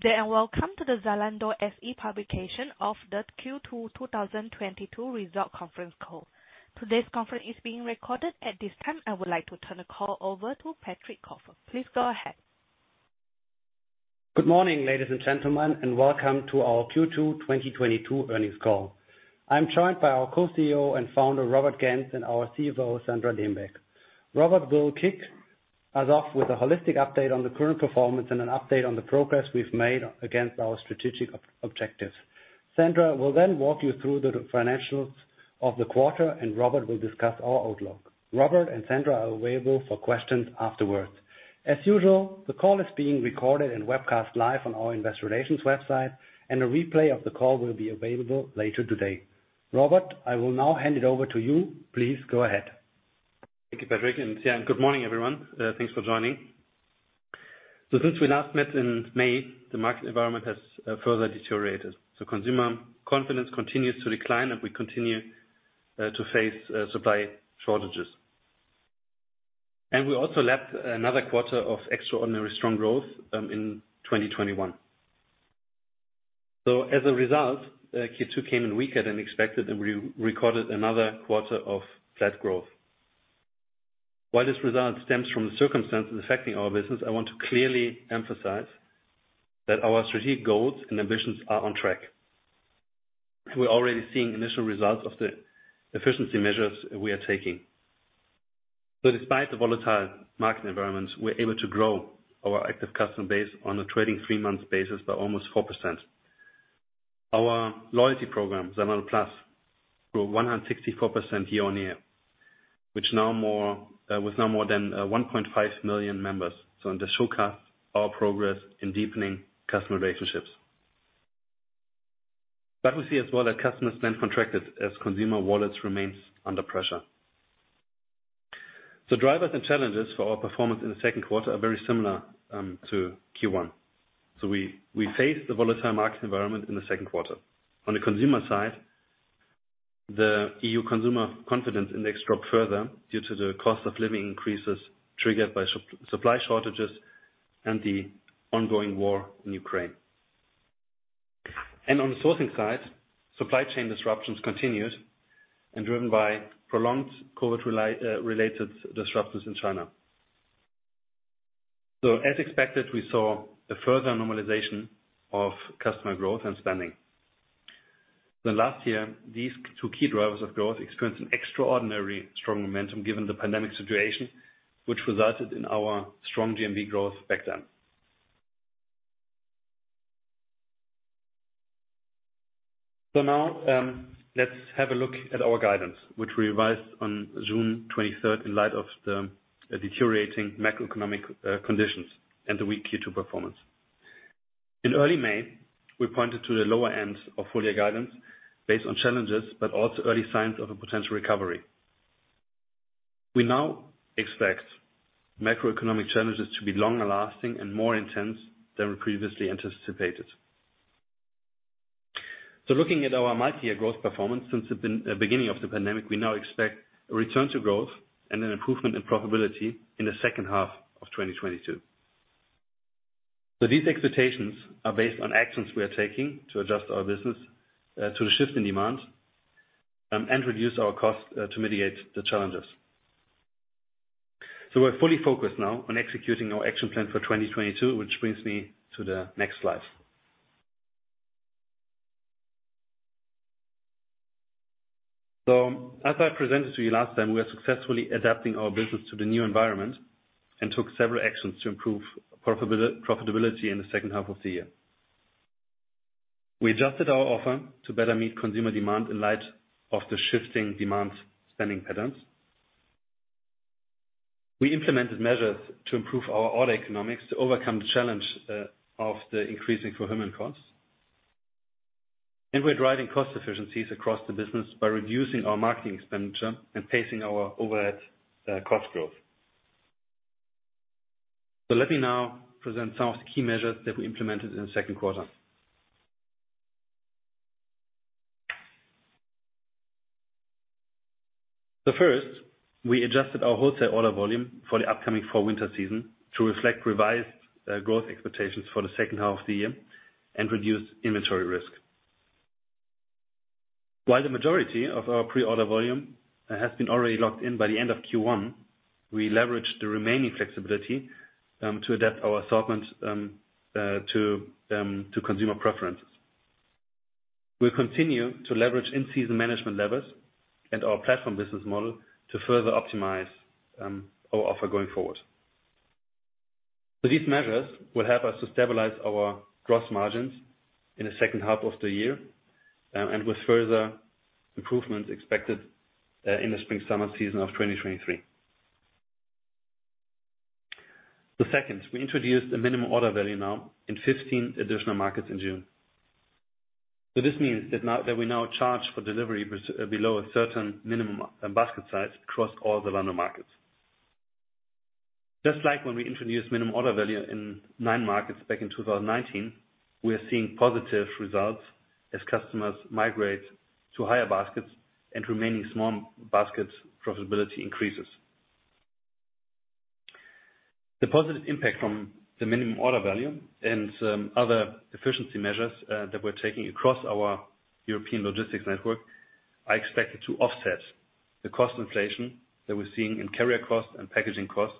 Good day and welcome to the Zalando SE publication of the Q2 2022 Results Conference Call. Today's conference is being recorded. At this time, I would like to turn the call over to Patrick Kofler. Please go ahead. Good morning, ladies and gentlemen, and welcome to our Q2 2022 earnings call. I'm joined by our Co-CEO and Founder, Robert Gentz, and our CFO, Sandra Dembeck. Robert will kick us off with a holistic update on the current performance and an update on the progress we've made against our strategic objectives. Sandra will then walk you through the financials of the quarter, and Robert will discuss our outlook. Robert and Sandra are available for questions afterwards. As usual, the call is being recorded and webcast live on our investor relations website, and a replay of the call will be available later today. Robert, I will now hand it over to you. Please go ahead. Thank you, Patrick, and yeah, good morning, everyone. Thanks for joining. Since we last met in May, the market environment has further deteriorated. Consumer confidence continues to decline, and we continue to face supply shortages. We also had another quarter of extraordinarily strong growth in 2021. As a result, Q2 came in weaker than expected, and we recorded another quarter of flat growth. While this result stems from the circumstances affecting our business, I want to clearly emphasize that our strategic goals and ambitions are on track. We're already seeing initial results of the efficiency measures we are taking. Despite the volatile market environment, we're able to grow our active customer base on a trailing three-month basis by almost 4%. Our loyalty program, Zalando Plus, grew 164% year-on-year, which now with more than 1.5 million members. This showcases our progress in deepening customer relationships. We see as well that customer spend contracted as consumer wallets remains under pressure. Drivers and challenges for our performance in the second quarter are very similar to Q1. We face the volatile market environment in the second quarter. On the consumer side, the EU Consumer Confidence Index dropped further due to the cost of living increases triggered by supply shortages and the ongoing war in Ukraine. On the sourcing side, supply chain disruptions continued and driven by prolonged COVID-related disruptions in China. As expected, we saw a further normalization of customer growth and spending. The last year, these two key drivers of growth experienced an extraordinary strong momentum given the pandemic situation, which resulted in our strong GMV growth back then. Now, let's have a look at our guidance, which we revised on June 23rd in light of the deteriorating macroeconomic conditions and the weak Q2 performance. In early May, we pointed to the lower end of full year guidance based on challenges, but also early signs of a potential recovery. We now expect macroeconomic challenges to be longer lasting and more intense than we previously anticipated. Looking at our GMV growth performance since the beginning of the pandemic, we now expect a return to growth and an improvement in profitability in the second half of 2022. These expectations are based on actions we are taking to adjust our business to the shift in demand and reduce our cost to mitigate the challenges. We're fully focused now on executing our action plan for 2022, which brings me to the next slide. As I presented to you last time, we are successfully adapting our business to the new environment and took several actions to improve profitability in the second half of the year. We adjusted our offer to better meet consumer demand in light of the shifting demand spending patterns. We implemented measures to improve our order economics to overcome the challenge of the increasing fulfillment costs. We're driving cost efficiencies across the business by reducing our marketing expenditure and pacing our overhead cost growth. Let me now present some of the key measures that we implemented in the second quarter. First, we adjusted our wholesale order volume for the upcoming fall/winter season to reflect revised growth expectations for the second half of the year and reduce inventory risk. While the majority of our pre-order volume has been already locked in by the end of Q1, we leveraged the remaining flexibility to adapt our assortment to consumer preferences. We'll continue to leverage in-season management levers and our platform business model to further optimize our offer going forward. These measures will help us to stabilize our gross margins in the second half of the year and with further improvement expected in the spring/summer season of 2023. Second, we introduced a minimum order value now in 15 additional markets in June. This means that we now charge for delivery below a certain minimum basket size across all Zalando markets. Just like when we introduced minimum order value in 9 markets back in 2019. We are seeing positive results as customers migrate to higher baskets and remaining small baskets profitability increases. The positive impact from the minimum order value and some other efficiency measures that we're taking across our European logistics network, I expect it to offset the cost inflation that we're seeing in carrier costs and packaging costs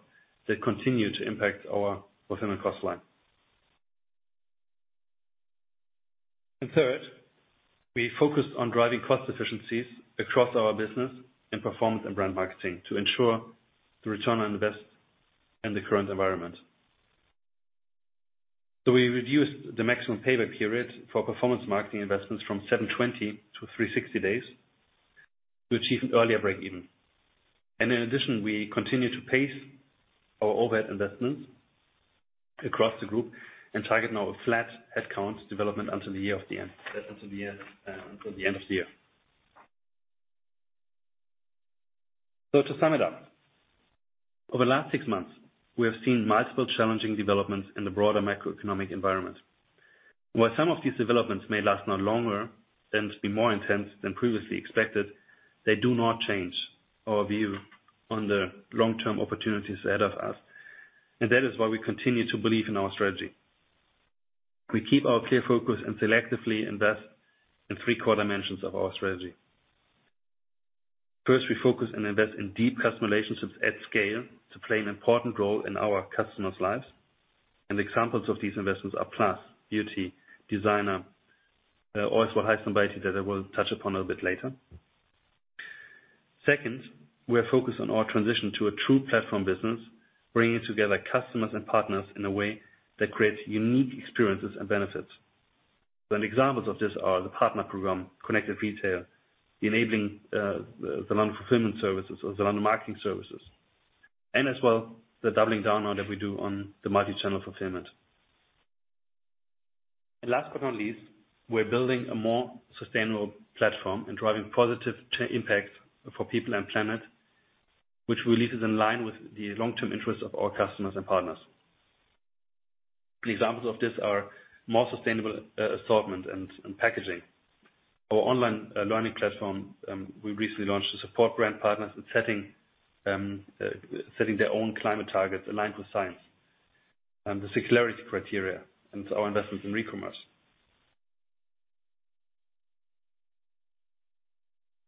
that continue to impact our fulfillment cost line. Third, we focused on driving cost efficiencies across our business and performance and brand marketing to ensure the return on investment in the current environment. We reduced the maximum payback period for performance marketing investments from 720-360 days to achieve an earlier break-even. In addition, we continue to pace our overhead investments across the group and target now a flat headcount development until the end of the year. To sum it up, over the last six months, we have seen multiple challenging developments in the broader macroeconomic environment. While some of these developments may last longer and be more intense than previously expected, they do not change our view on the long-term opportunities ahead of us, and that is why we continue to believe in our strategy. We keep our clear focus and selectively invest in three core dimensions of our strategy. First, we focus and invest in deep customer relationships at scale to play an important role in our customers' lives. Examples of these investments are Plus, Beauty, Designer, also Highsnobiety that I will touch upon a bit later. Second, we are focused on our transition to a true platform business, bringing together customers and partners in a way that creates unique experiences and benefits. Some examples of this are the partner program, Connected Retail, enabling the Zalando Fulfillment Solutions or Zalando Marketing Services, and as well the doubling down on that we do on the multi-channel fulfillment. Last but not least, we're building a more sustainable platform and driving positive impacts for people and planet, which we believe is in line with the long-term interests of our customers and partners. The examples of this are more sustainable assortment and packaging. Our online learning platform we recently launched to support brand partners in setting their own climate targets aligned with science, the circularity criteria and our investments in recommerce.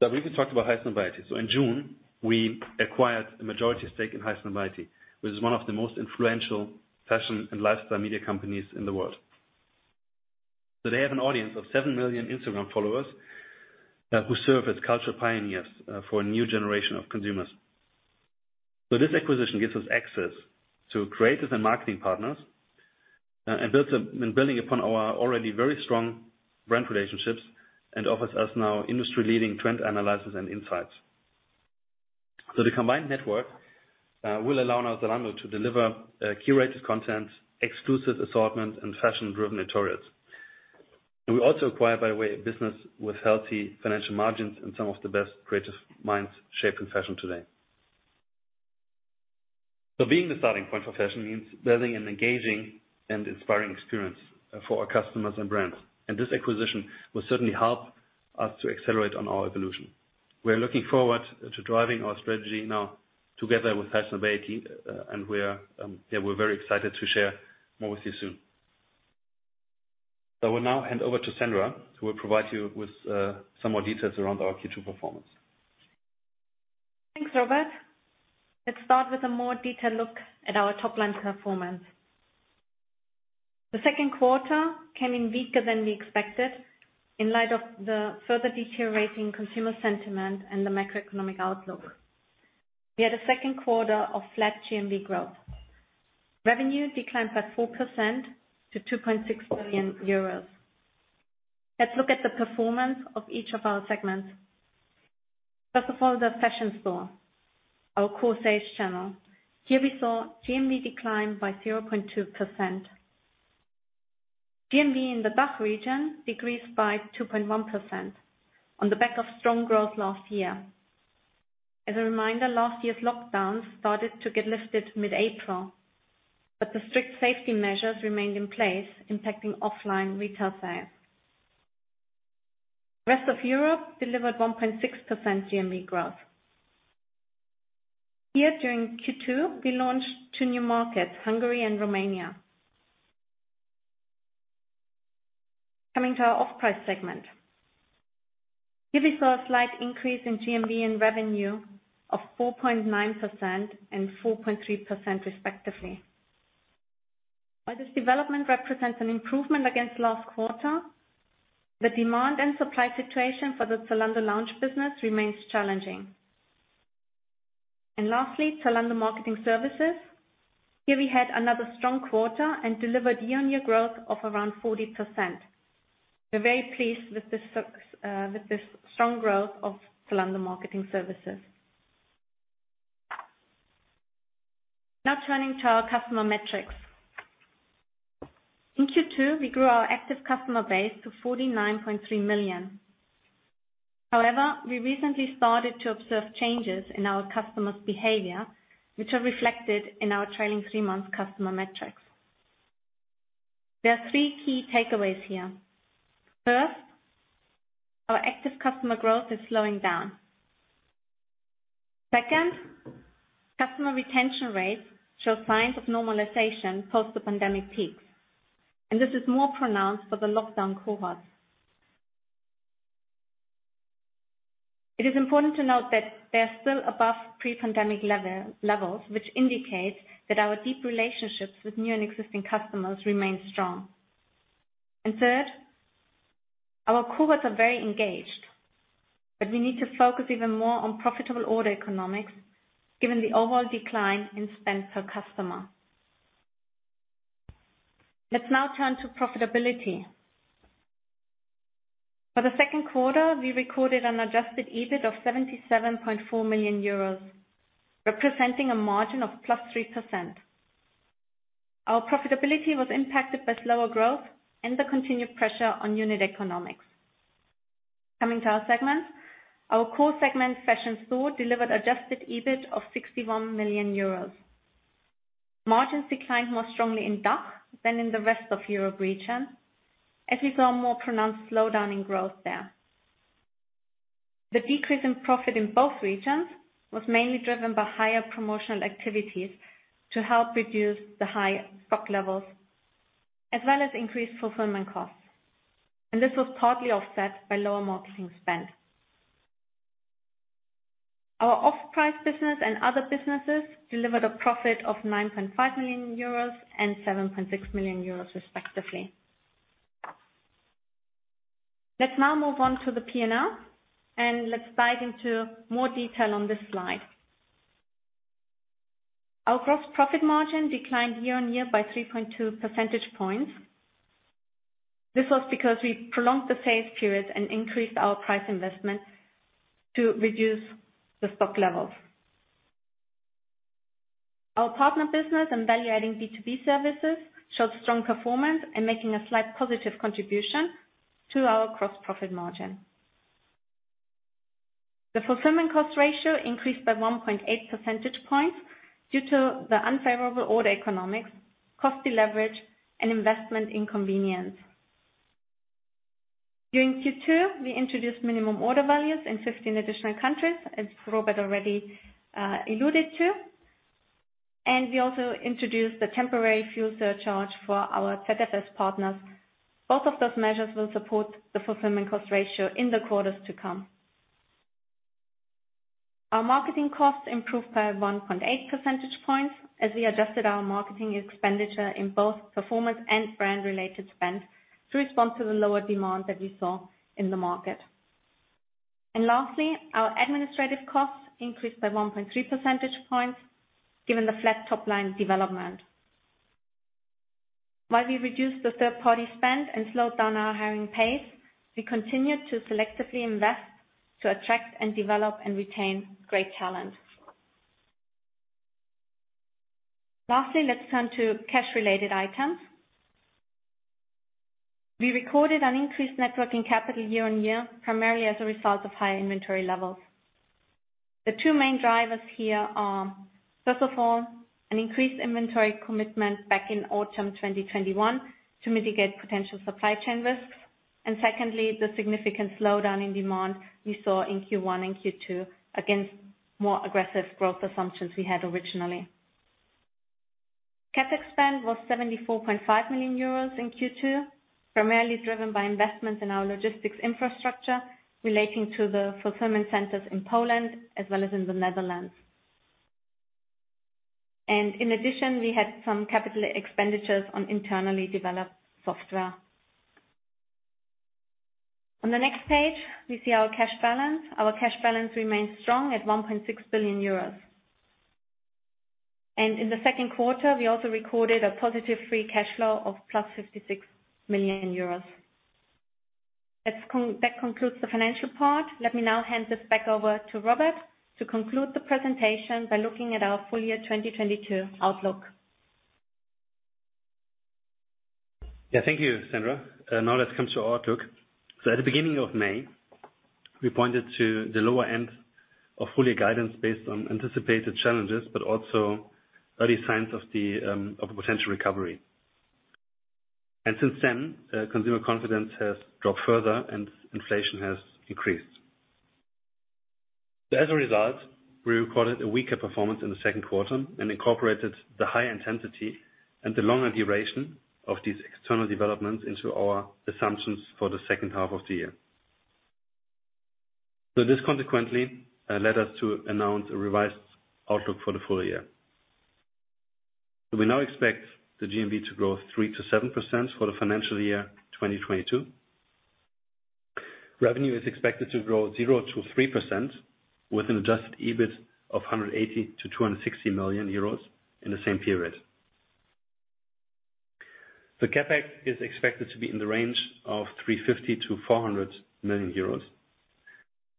Now, we can talk about Highsnobiety. In June, we acquired a majority stake in Highsnobiety, which is one of the most influential fashion and lifestyle media companies in the world. They have an audience of 7 million Instagram followers who serve as culture pioneers for a new generation of consumers. This acquisition gives us access to creators and marketing partners and building upon our already very strong brand relationships and offers us now industry-leading trend analysis and insights. The combined network will allow now Zalando to deliver curated content, exclusive assortment, and fashion-driven editorials. We also acquire, by the way, a business with healthy financial margins and some of the best creative minds shaping fashion today. Being the starting point for fashion means building an engaging and inspiring experience for our customers and brands. This acquisition will certainly help us to accelerate on our evolution. We are looking forward to driving our strategy now together with Highsnobiety, and we're very excited to share more with you soon. I will now hand over to Sandra, who will provide you with some more details around our Q2 performance. Thanks, Robert. Let's start with a more detailed look at our top-line performance. The second quarter came in weaker than we expected in light of the further deteriorating consumer sentiment and the macroeconomic outlook. We had a second quarter of flat GMV growth. Revenue declined by 4% to 2.6 billion euros. Let's look at the performance of each of our segments. First of all, the Fashion Store, our core sales channel. Here we saw GMV decline by 0.2%. GMV in the DACH region decreased by 2.1% on the back of strong growth last year. As a reminder, last year's lockdowns started to get lifted mid-April, but the strict safety measures remained in place, impacting offline retail sales. Rest of Europe delivered 1.6% GMV growth. Here, during Q2, we launched two new markets, Hungary and Romania. Coming to our off-price segment. Here we saw a slight increase in GMV and revenue of 4.9% and 4.3% respectively. While this development represents an improvement against last quarter, the demand and supply situation for the Zalando Lounge business remains challenging. Lastly, Zalando Marketing Services. Here we had another strong quarter and delivered year-on-year growth of around 40%. We're very pleased with this strong growth of Zalando Marketing Services. Now turning to our customer metrics. In Q2, we grew our active customer base to 49.3 million. However, we recently started to observe changes in our customers' behavior, which are reflected in our trailing three months customer metrics. There are three key takeaways here. First, our active customer growth is slowing down. Second, customer retention rates show signs of normalization post the pandemic peaks, and this is more pronounced for the lockdown cohorts. It is important to note that they are still above pre-pandemic levels, which indicates that our deep relationships with new and existing customers remain strong. Third, our cohorts are very engaged, but we need to focus even more on profitable order economics given the overall decline in spend per customer. Let's now turn to profitability. For the second quarter, we recorded an adjusted EBIT of 77.4 million euros, representing a margin of 3%. Our profitability was impacted by slower growth and the continued pressure on unit economics. Coming to our segments, our core segment, Fashion Store, delivered adjusted EBIT of 61 million euros. Margins declined more strongly in DACH than in the rest of Europe region, as we saw a more pronounced slowdown in growth there. The decrease in profit in both regions was mainly driven by higher promotional activities to help reduce the high stock levels as well as increased fulfillment costs. This was partly offset by lower marketing spend. Our off-price business and other businesses delivered a profit of 9.5 million euros and 7.6 million euros respectively. Let's now move on to the P&L, and let's dive into more detail on this slide. Our gross profit margin declined year-on-year by 3.2 percentage points. This was because we prolonged the sales period and increased our price investment to reduce the stock levels. Our partner business and value-adding B2B services showed strong performance and making a slight positive contribution to our gross profit margin. The fulfillment cost ratio increased by 1.8 percentage points due to the unfavorable order economics, cost deleverage, and investment inconvenience. During Q2, we introduced minimum order values in 15 additional countries, as Robert already alluded to. We also introduced a temporary fuel surcharge for our ZFS partners. Both of those measures will support the fulfillment cost ratio in the quarters to come. Our marketing costs improved by 1.8 percentage points as we adjusted our marketing expenditure in both performance and brand-related spend to respond to the lower demand that we saw in the market. Lastly, our administrative costs increased by 1.3 percentage points given the flat top-line development. While we reduced the third-party spend and slowed down our hiring pace, we continued to selectively invest to attract and develop and retain great talent. Lastly, let's turn to cash-related items. We recorded an increased net working capital year-over-year, primarily as a result of higher inventory levels. The two main drivers here are, first of all, an increased inventory commitment back in autumn 2021 to mitigate potential supply chain risks. Secondly, the significant slowdown in demand we saw in Q1 and Q2 against more aggressive growth assumptions we had originally. CapEx spend was 74.5 million euros in Q2, primarily driven by investments in our logistics infrastructure relating to the fulfillment centers in Poland as well as in the Netherlands. In addition, we had some capital expenditures on internally developed software. On the next page, we see our cash balance. Our cash balance remains strong at 1.6 billion euros. In the second quarter, we also recorded a positive free cash flow of +56 million euros. That concludes the financial part. Let me now hand this back over to Robert to conclude the presentation by looking at our full year 2022 outlook. Yeah. Thank you, Sandra. Now let's come to our outlook. At the beginning of May, we pointed to the lower end of full-year guidance based on anticipated challenges, but also early signs of a potential recovery. Since then, consumer confidence has dropped further and inflation has increased. As a result, we recorded a weaker performance in the second quarter and incorporated the high intensity and the longer duration of these external developments into our assumptions for the second half of the year. This consequently led us to announce a revised outlook for the full year. We now expect the GMV to grow 3%-7% for the financial year 2022. Revenue is expected to grow 0%-3% with an adjusted EBIT of 180 million-260 million euros in the same period. The CapEx is expected to be in the range of 350 million-400 million euros.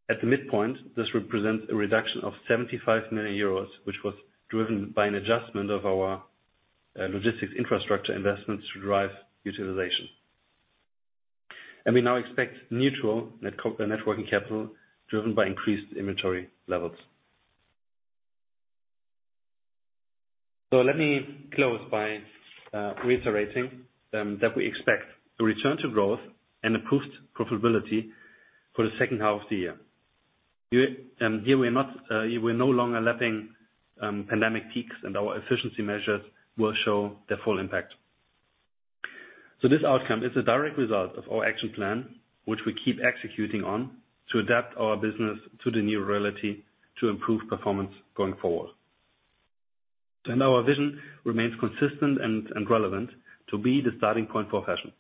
At the midpoint, this represents a reduction of 75 million euros, which was driven by an adjustment of our logistics infrastructure investments to drive utilization. We now expect neutral net working capital driven by increased inventory levels. Let me close by reiterating that we expect a return to growth and improved profitability for the second half of the year. Here, we're no longer lapping pandemic peaks, and our efficiency measures will show their full impact. This outcome is a direct result of our action plan, which we keep executing on to adapt our business to the new reality to improve performance going forward. Our vision remains consistent and relevant to be the starting point for fashion.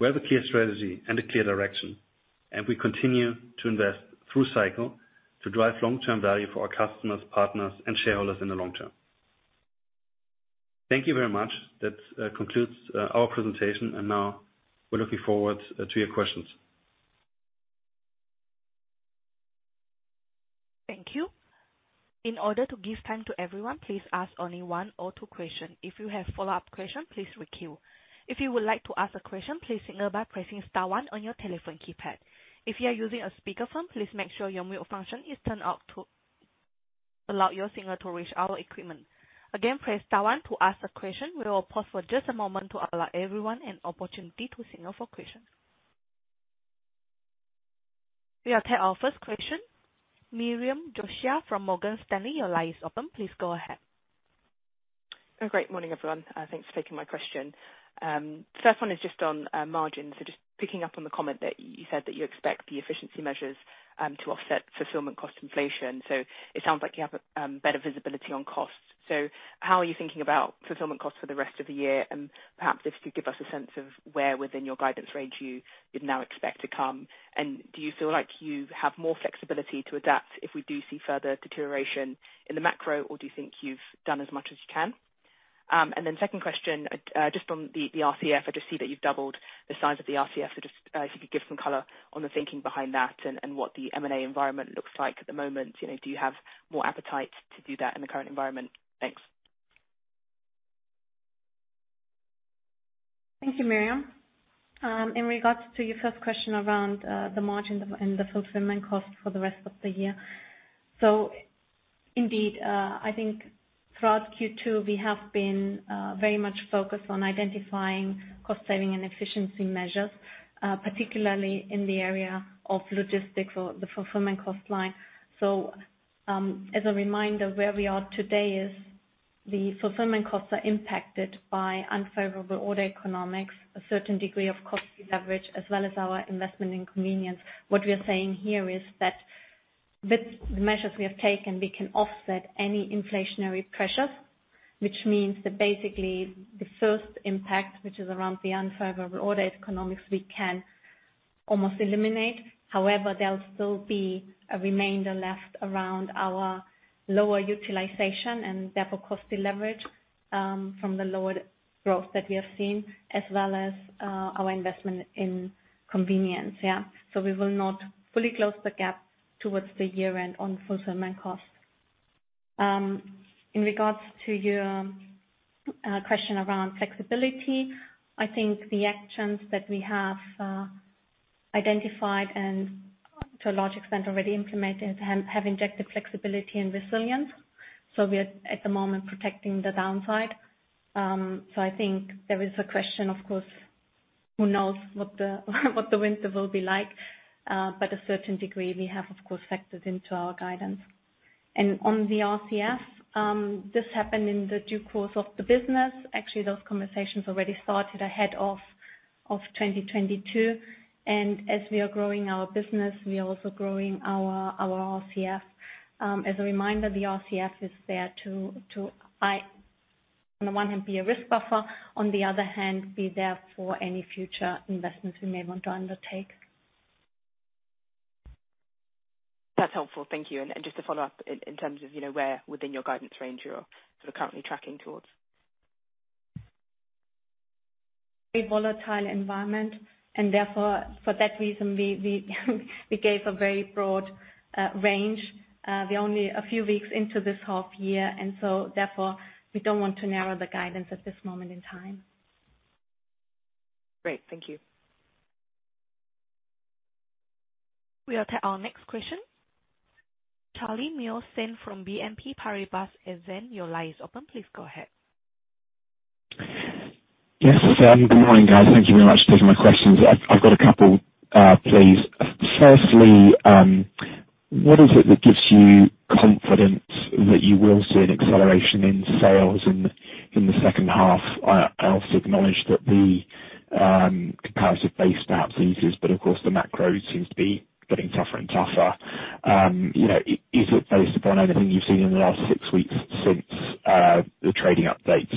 We have a clear strategy and a clear direction, and we continue to invest through cycle to drive long-term value for our customers, partners, and shareholders in the long term. Thank you very much. That concludes our presentation, and now we're looking forward to your questions. Thank you. In order to give time to everyone, please ask only one or two question. If you have follow-up question, please queue. If you would like to ask a question, please signal by pressing star one on your telephone keypad. If you are using a speakerphone, please make sure your mute function is turned off to allow your signal to reach our equipment. Again, press star one to ask a question. We will pause for just a moment to allow everyone an opportunity to signal for question. We will take our first question. Miriam Josiah from Morgan Stanley, your line is open. Please go ahead. Good morning, everyone. Thanks for taking my question. First one is just on margins. Just picking up on the comment that you said that you expect the efficiency measures to offset fulfillment cost inflation. It sounds like you have better visibility on cost. How are you thinking about fulfillment cost for the rest of the year? And perhaps if you could give us a sense of where within your guidance range you'd now expect to come. Do you feel like you have more flexibility to adapt if we do see further deterioration in the macro, or do you think you've done as much as you can? Second question, just on the RCF. I just see that you've doubled the size of the RCF. Just if you could give some color on the thinking behind that and what the M&A environment looks like at the moment. You know, do you have more appetite to do that in the current environment? Thanks. Thank you, Miriam. In regards to your first question around the margin and the fulfillment cost for the rest of the year. I think throughout Q2, we have been very much focused on identifying cost saving and efficiency measures, particularly in the area of logistics or the fulfillment cost line. As a reminder, where we are today is the fulfillment costs are impacted by unfavorable order economics, a certain degree of cost leverage, as well as our investment in convenience. What we are saying here is that with the measures we have taken, we can offset any inflationary pressures. Which means that basically the first impact, which is around the unfavorable order economics, we can almost eliminate. However, there'll still be a remainder left around our lower utilization and therefore cost deleverage from the lower growth that we have seen, as well as our investment in convenience. Yeah. We will not fully close the gap towards the year-end on fulfillment costs. In regards to your question around flexibility, I think the actions that we have identified and to a large extent already implemented have injected flexibility and resilience. We are at the moment protecting the downside. I think there is a question, of course, who knows what the winter will be like. But a certain degree we have of course factored into our guidance. On the RCF, this happened in the due course of the business. Actually, those conversations already started ahead of 2022. as we are growing our business, we are also growing our RCF. As a reminder, the RCF is there to, on the one hand be a risk buffer, on the other hand be there for any future investments we may want to undertake. That's helpful. Thank you. Just to follow up in terms of, you know, where within your guidance range you're sort of currently tracking towards? A volatile environment and therefore for that reason, we gave a very broad range. We're only a few weeks into this half year, and so therefore, we don't want to narrow the guidance at this moment in time. Great. Thank you. We will take our next question. Charlie Muir-Sands from BNP Paribas. Your line is open. Please go ahead. Yes. Good morning, guys. Thank you very much for taking my questions. I've got a couple, please. Firstly, what is it that gives you confidence that you will see an acceleration in sales in the second half? I also acknowledge that the comparative base perhaps eases, but of course the macro seems to be getting tougher and tougher. You know, is it based upon anything you've seen in the last six weeks since the trading update,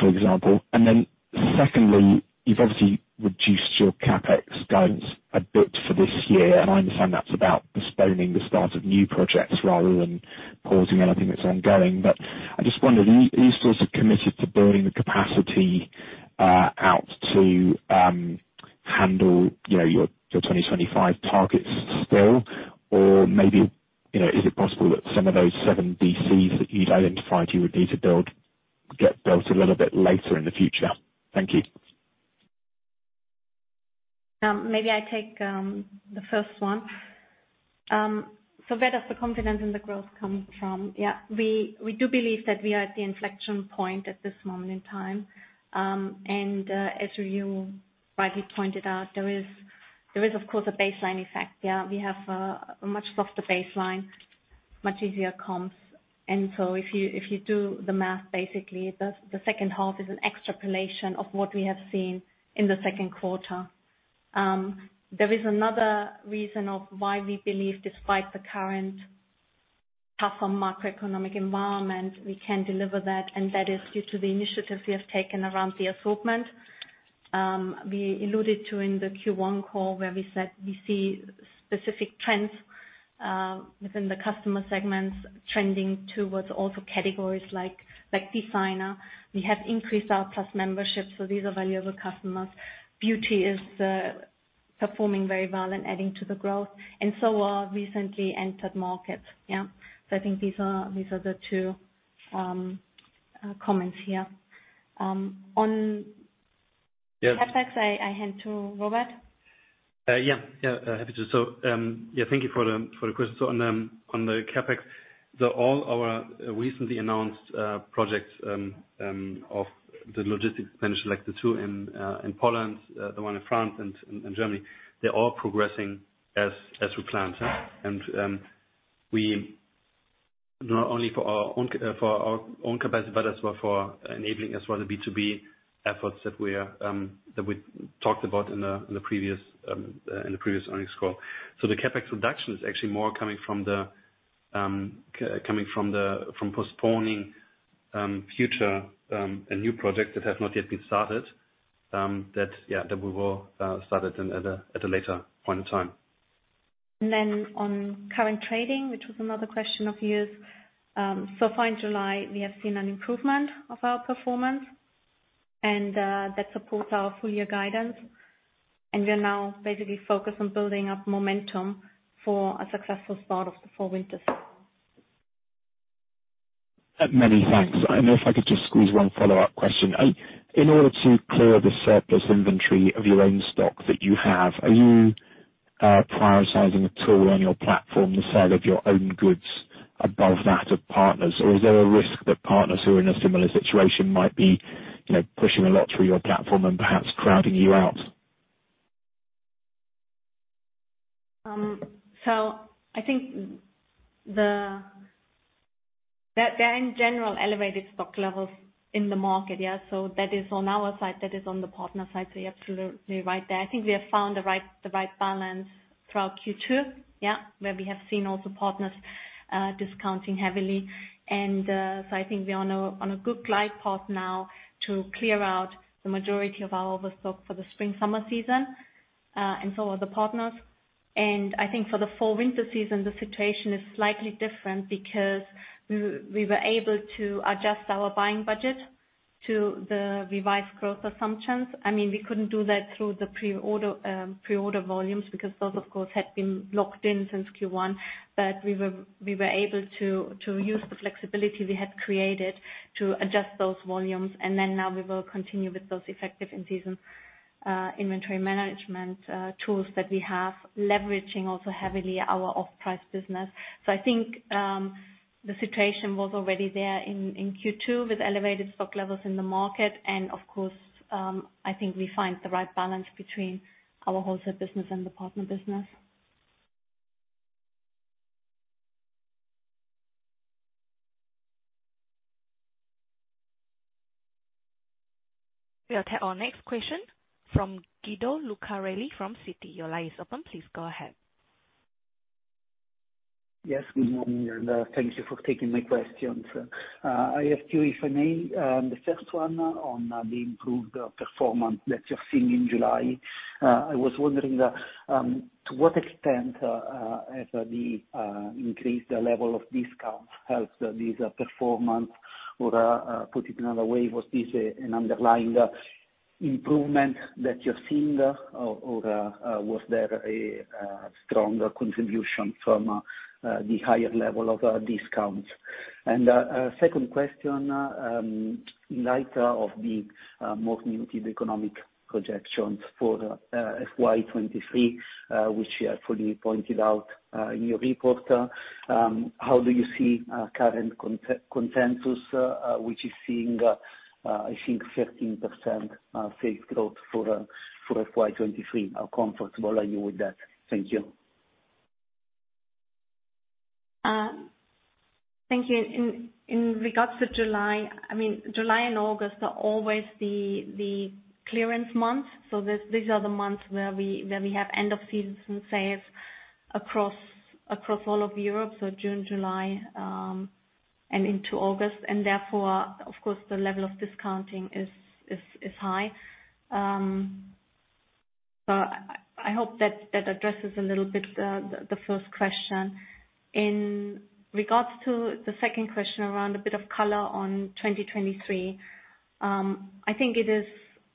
for example? Then secondly, you've obviously reduced your CapEx guidance a bit for this year. I understand that's about postponing the start of new projects rather than pausing anything that's ongoing. I just wondered, are you still sort of committed to building the capacity out to handle, you know, your 2025 targets still? Maybe, you know, is it possible that some of those 7 DCs that you'd identified you would need to build get built a little bit later in the future? Thank you. Maybe I take the first one. Where does the confidence in the growth come from? Yeah, we do believe that we are at the inflection point at this moment in time. As you rightly pointed out, there is of course a baseline effect. Yeah, we have a much softer baseline, much easier comps. If you do the math, basically the second half is an extrapolation of what we have seen in the second quarter. There is another reason why we believe despite the current tougher macroeconomic environment, we can deliver that, and that is due to the initiatives we have taken around the assortment. We alluded to in the Q1 call, where we said we see specific trends within the customer segments trending towards also categories like Designer. We have increased our Plus membership, so these are valuable customers. Beauty is performing very well and adding to the growth. Recently entered markets are, yeah. So I think these are the two comments here. Yes. CapEx, I hand to Robert. Happy to. Thank you for the question. On the CapEx, all our recently announced projects of the logistics expansion, like the two in Poland, the one in France and Germany, they're all progressing as we planned. Not only for our own capacity, but as well for enabling the B2B efforts that we talked about in the previous earnings call. The CapEx reduction is actually more coming from postponing a new project that has not yet been started, that we will start at a later point in time. on current trading, which was another question of yours, so far in July, we have seen an improvement of our performance and that supports our full year guidance. We are now basically focused on building up momentum for a successful start of the fall/winter season. Many thanks. I don't know if I could just squeeze one follow-up question. In order to clear the surplus inventory of your own stock that you have, are you prioritizing at all on your platform the sale of your own goods above that of partners? Or is there a risk that partners who are in a similar situation might be, you know, pushing a lot through your platform and perhaps crowding you out? I think there are in general elevated stock levels in the market, yeah. That is on our side, that is on the partner side, so you're absolutely right there. I think we have found the right balance throughout Q2, yeah, where we have seen also partners discounting heavily. I think we are on a good glide path now to clear out the majority of our overstock for the spring/summer season, and so are the partners. I think for the fall/winter season, the situation is slightly different because we were able to adjust our buying budget to the revised growth assumptions. I mean, we couldn't do that through the pre-order volumes because those of course had been locked in since Q1. We were able to use the flexibility we had created to adjust those volumes. Now we will continue with those effective in-season inventory management tools that we have, leveraging also heavily our off-price business. I think the situation was already there in Q2 with elevated stock levels in the market and of course, I think we find the right balance between our wholesale business and the partner business. We'll take our next question from Guido Lucarelli from Citi. Your line is open. Please go ahead. Yes. Good morning, and thank you for taking my questions. I have two, if I may. The first one on the improved performance that you're seeing in July. I was wondering to what extent has the increased level of discount helped this performance? Or put it another way, was this an underlying improvement that you're seeing, or was there a stronger contribution from the higher level of discounts? A second question, in light of the more muted economic projections for FY 2023, which you have fully pointed out in your report, how do you see current consensus, which is seeing I think 13% sales growth for FY 2023? How comfortable are you with that? Thank you. Thank you. In regards to July, I mean, July and August are always the clearance months. These are the months where we have end of season sales across all of Europe, so June, July, and into August. Therefore, of course, the level of discounting is high. I hope that addresses a little bit the first question. In regards to the second question around a bit of color on 2023, I think it is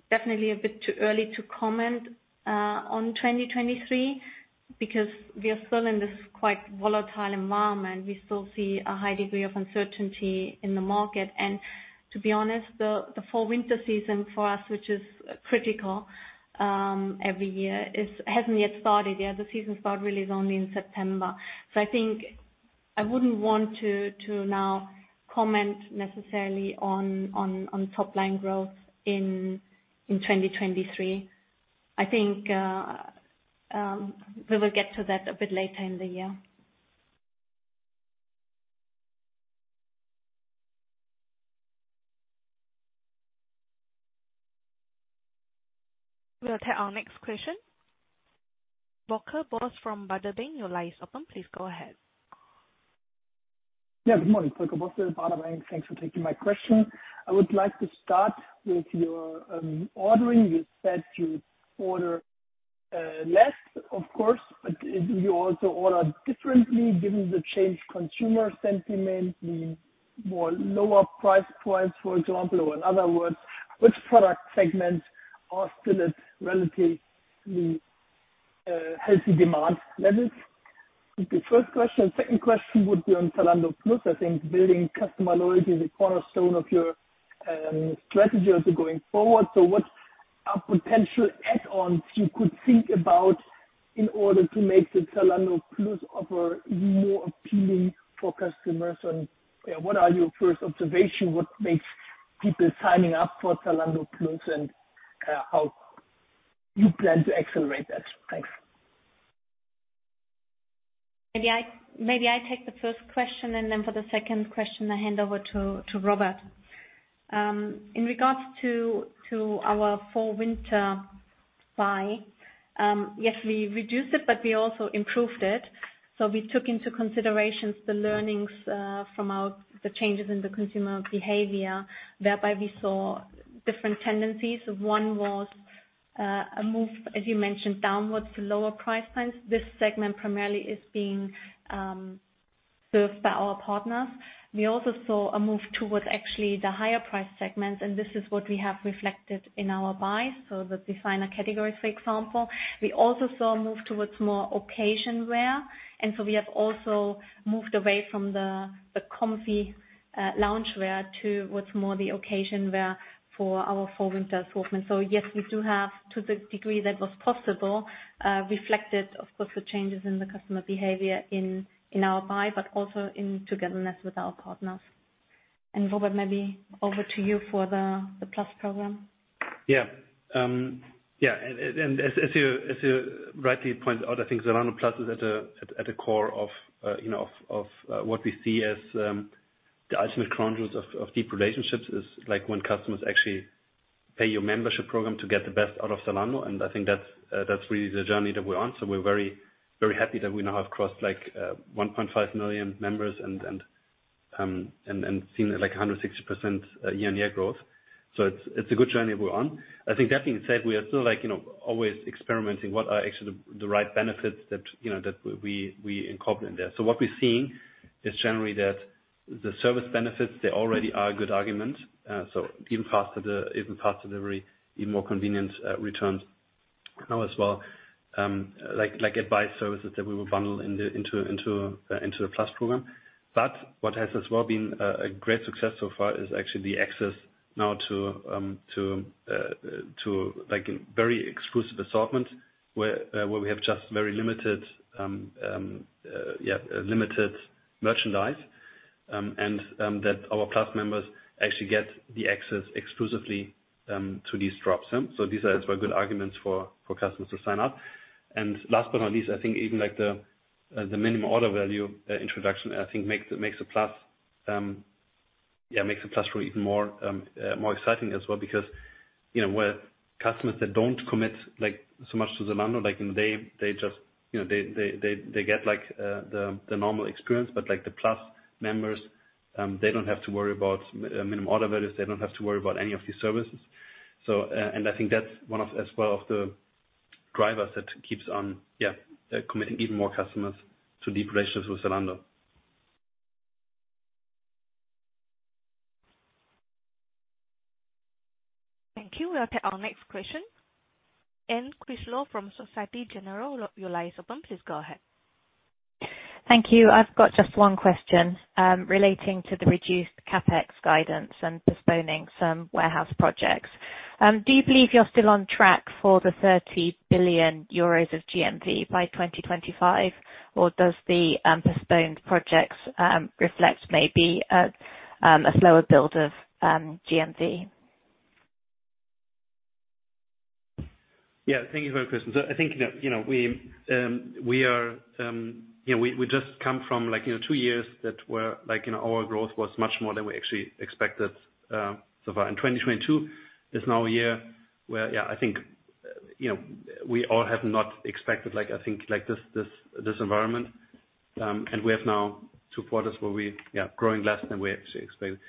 definitely a bit too early to comment on 2023 because we are still in this quite volatile environment. We still see a high degree of uncertainty in the market. To be honest, the fall/winter season for us, which is critical every year, hasn't started yet. The season start really is only in September. I think I wouldn't want to now comment necessarily on top line growth in 2023. I think we will get to that a bit later in the year. We'll take our next question. Volker Bosse from Baader Bank. Your line is open. Please go ahead. Yeah. Good morning, Volker Bosse, Baader Bank. Thanks for taking my question. I would like to start with your ordering. You said you order less, of course, but do you also order differently given the changed consumer sentiment, meaning more lower price points, for example? In other words, which product segments are still at relatively healthy demand levels? The first question. Second question would be on Zalando Plus. I think building customer loyalty is a cornerstone of your strategy also going forward. So what are potential add-ons you could think about in order to make the Zalando Plus offer more appealing for customers? And, yeah, what are your first observation? What makes people signing up for Zalando Plus, and how you plan to accelerate that? Thanks. Maybe I take the first question, and then for the second question, I hand over to Robert. In regards to our fall/winter buy, yes, we reduced it, but we also improved it. We took into considerations the learnings from the changes in the consumer behavior, whereby we saw different tendencies. One was a move, as you mentioned, downwards to lower price points. This segment primarily is being served by our partners. We also saw a move towards actually the higher price segments, and this is what we have reflected in our buys, so the Designer categories, for example. We also saw a move towards more occasion wear. We have also moved away from the comfy loungewear to what's more the occasion wear for our fall/winter assortment. Yes, we do have, to the degree that was possible, reflected of course the changes in the customer behavior in our buy, but also in togetherness with our partners. Robert, maybe over to you for the Plus program. Yeah. Yeah. As you rightly point out, I think Zalando Plus is at the core of you know, of what we see as the ultimate key to deep relationships is like when customers actually pay your membership program to get the best out of Zalando. I think that's really the journey that we're on. We're very, very happy that we now have crossed like 1.5 million members and seen like 160% year-on-year growth. It's a good journey we're on. I think that being said, we are still like you know, always experimenting what are actually the right benefits that you know, that we incorporate in there. What we're seeing is generally that the service benefits, they already are a good argument. even fast delivery, even more convenient, returns now as well. like advice services that we will bundle into the Plus program. what has as well been a great success so far is actually the access now to like very exclusive assortment where we have just very limited merchandise. that our Plus members actually get the access exclusively to these drops. these are as well good arguments for customers to sign up. Last but not least, I think even like the minimum order value introduction I think makes the Plus even more exciting as well. Because, you know, with customers that don't commit like so much to Zalando, like, and they get like the normal experience. Like the Plus members, they don't have to worry about minimum order values. They don't have to worry about any of these services. I think that's one of as well of the drivers that keeps on committing even more customers to deep relations with Zalando. Thank you. We'll take our next question. Anne Critchlow from Société Générale. Your line is open. Please go ahead. Thank you. I've got just one question, relating to the reduced CapEx guidance and postponing some warehouse projects. Do you believe you're still on track for the 30 billion euros of GMV by 2025? Or does the postponed projects reflect maybe a slower build of GMV? Yeah. Thank you for your question. I think, you know, we are, you know, we just come from like, you know, two years that were like, you know, our growth was much more than we actually expected, so far. 2022 is now a year where, yeah, I think, you know, we all have not expected, like, I think, like this environment. We have now two quarters where we, yeah, growing less than we actually expected.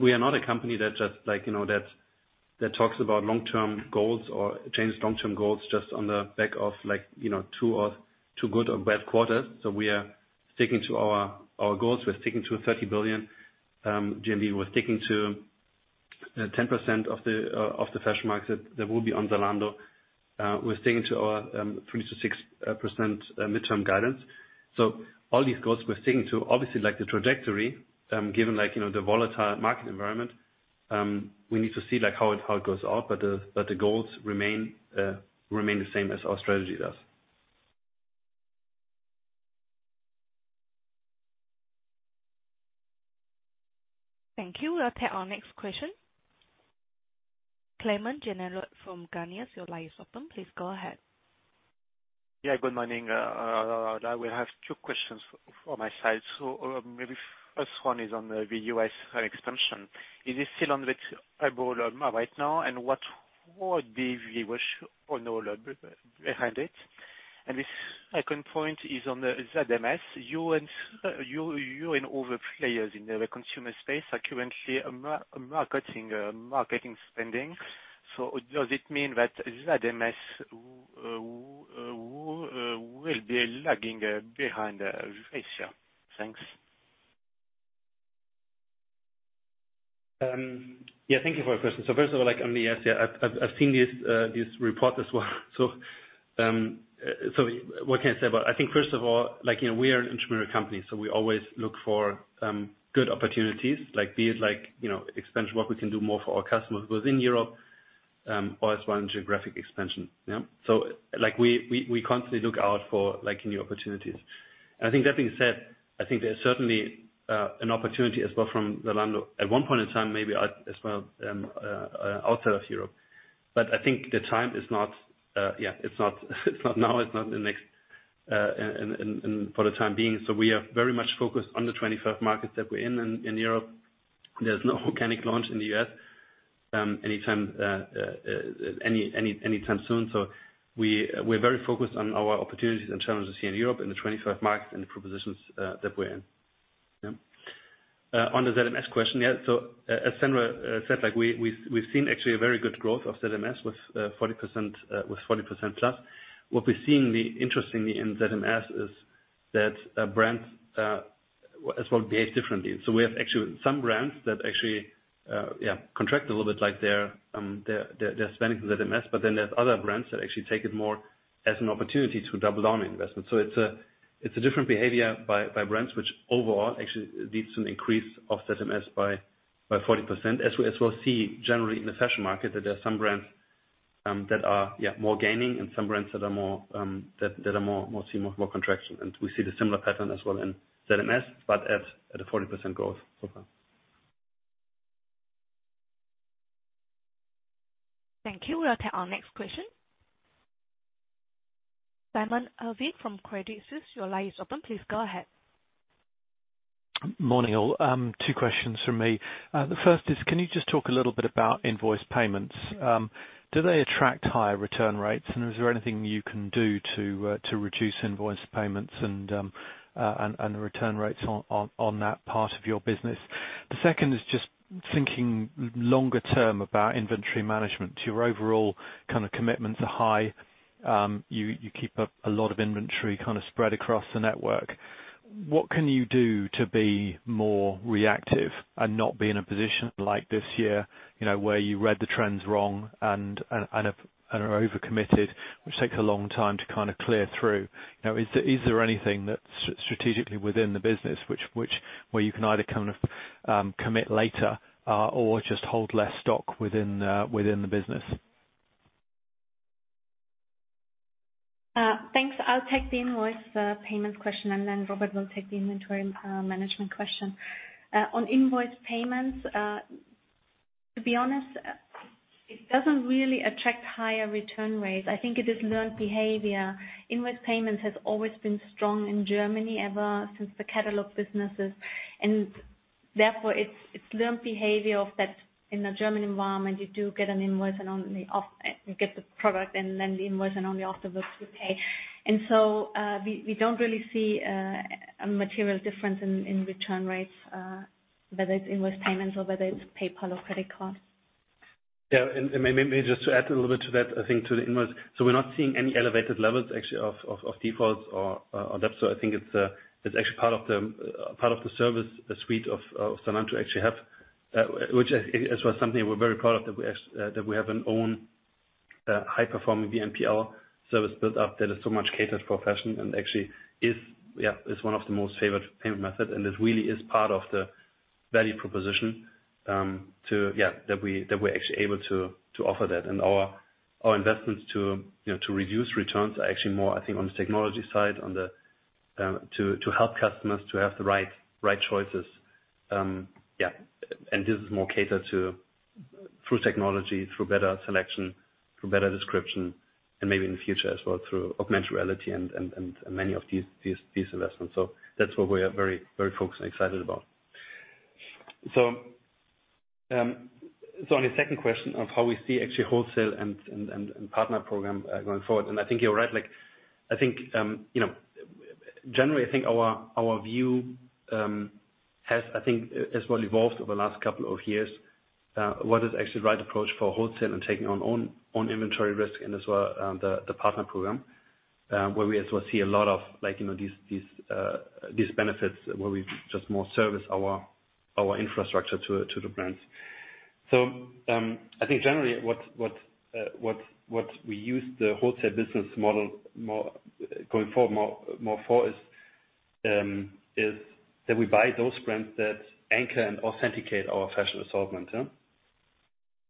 We are not a company that just like, you know, that talks about long-term goals or changes long-term goals just on the back of like, you know, two good or bad quarters. We are sticking to our goals. We're sticking to 30 billion GMV. We're sticking to 10% of the fashion market that will be on Zalando. We're sticking to our 20%-60% midterm guidance. All these goals we're sticking to. Obviously, like the trajectory, given like, you know, the volatile market environment, we need to see like how it goes out. The goals remain the same as our strategy does. Thank you. We'll take our next question. Clement Giner, from Garnier, your line is open. Please go ahead. Yeah, good morning. I will have two questions from my side. Maybe first one is on the U.S. expansion. Is it still on the table right now? And what would be the cost on all of it behind it? And the second point is on the ZMS. You and all the players in the consumer space are currently increasing marketing spending. Does it mean that ZMS will be lagging behind ratio? Thanks. Yeah, thank you for your question. First of all, like on the, I've seen this report as well. What can I say about. I think first of all, like, you know, we are an intermediary company, so we always look for good opportunities like be it like, you know, expansion, what we can do more for our customers within Europe or as well in geographic expansion. Yeah. Like we constantly look out for like new opportunities. I think that being said, I think there's certainly an opportunity as well from Zalando at one point in time, maybe as well outside of Europe. I think the time is not. Yeah, it's not now. It's not the next and for the time being. We are very much focused on the 25 markets that we're in in Europe. There's no organic launch in the U.S. anytime soon. We're very focused on our opportunities and challenges here in Europe in the 25 markets and the propositions that we're in. Yeah. On the ZMS question. Yeah. As Sandra said, like we've seen actually a very good growth of ZMS with 40%+. What we're seeing, interestingly in ZMS is that brands as well behave differently. We have actually some brands that actually contract a little bit like their spending from ZMS. But then there's other brands that actually take it more as an opportunity to double down on investment. It's a different behavior by brands, which overall actually leads to an increase of ZMS by 40%. As we'll see generally in the fashion market, that there are some brands that are more gaining and some brands that are more seeing more contraction. We see the similar pattern as well in ZMS, but at a 40% growth so far. Thank you. We'll take our next question. Simon Irwin from Credit Suisse, your line is open. Please go ahead. Morning, all. Two questions from me. The first is, can you just talk a little bit about invoice payments? Do they attract higher return rates? And is there anything you can do to reduce invoice payments and return rates on that part of your business? The second is just thinking longer term about inventory management. Your overall kind of commitments are high. You keep a lot of inventory kind of spread across the network. What can you do to be more reactive and not be in a position like this year, you know, where you read the trends wrong and are overcommitted, which takes a long time to kind of clear through? You know, is there anything that strategically within the business which where you can either kind of commit later or just hold less stock within the business? Thanks. I'll take the invoice payments question, and then Robert will take the inventory and management question. On invoice payments, to be honest, it doesn't really attract higher return rates. I think it is learned behavior. Invoice payments has always been strong in Germany ever since the catalog businesses, and therefore it's learned behavior of that in the German environment. You get the product and then the invoice, and only afterwards you pay. We don't really see a material difference in return rates whether it's invoice payments or whether it's PayPal or credit card. Yeah. Maybe just to add a little bit to that, I think to the invoice. We're not seeing any elevated levels actually of defaults or debt. I think it's actually part of the service suite of Zalando to actually have which is something we're very proud of that we have an own high performing BNPL service built up that is so much catered for fashion and actually is one of the most favored payment methods. It really is part of the value proposition that we're actually able to offer that. Our investments to you know to reduce returns are actually more I think on the technology side to help customers to have the right choices. This is more catered to through technology, through better selection, through better description, and maybe in the future as well through augmented reality and many of these investments. That's what we are very, very focused and excited about. On your second question of how we see actually wholesale and partner program going forward, I think you're right. Like, I think, you know, generally, I think our view has, I think, as well evolved over the last couple of years, what is actually the right approach for wholesale and taking on inventory risk and as well, the partner program, where we as well see a lot of like, you know, these benefits where we just more service our infrastructure to the brands. I think generally, what we use the wholesale business model more, going forward, for is that we buy those brands that anchor and authenticate our fashion assortment, yeah.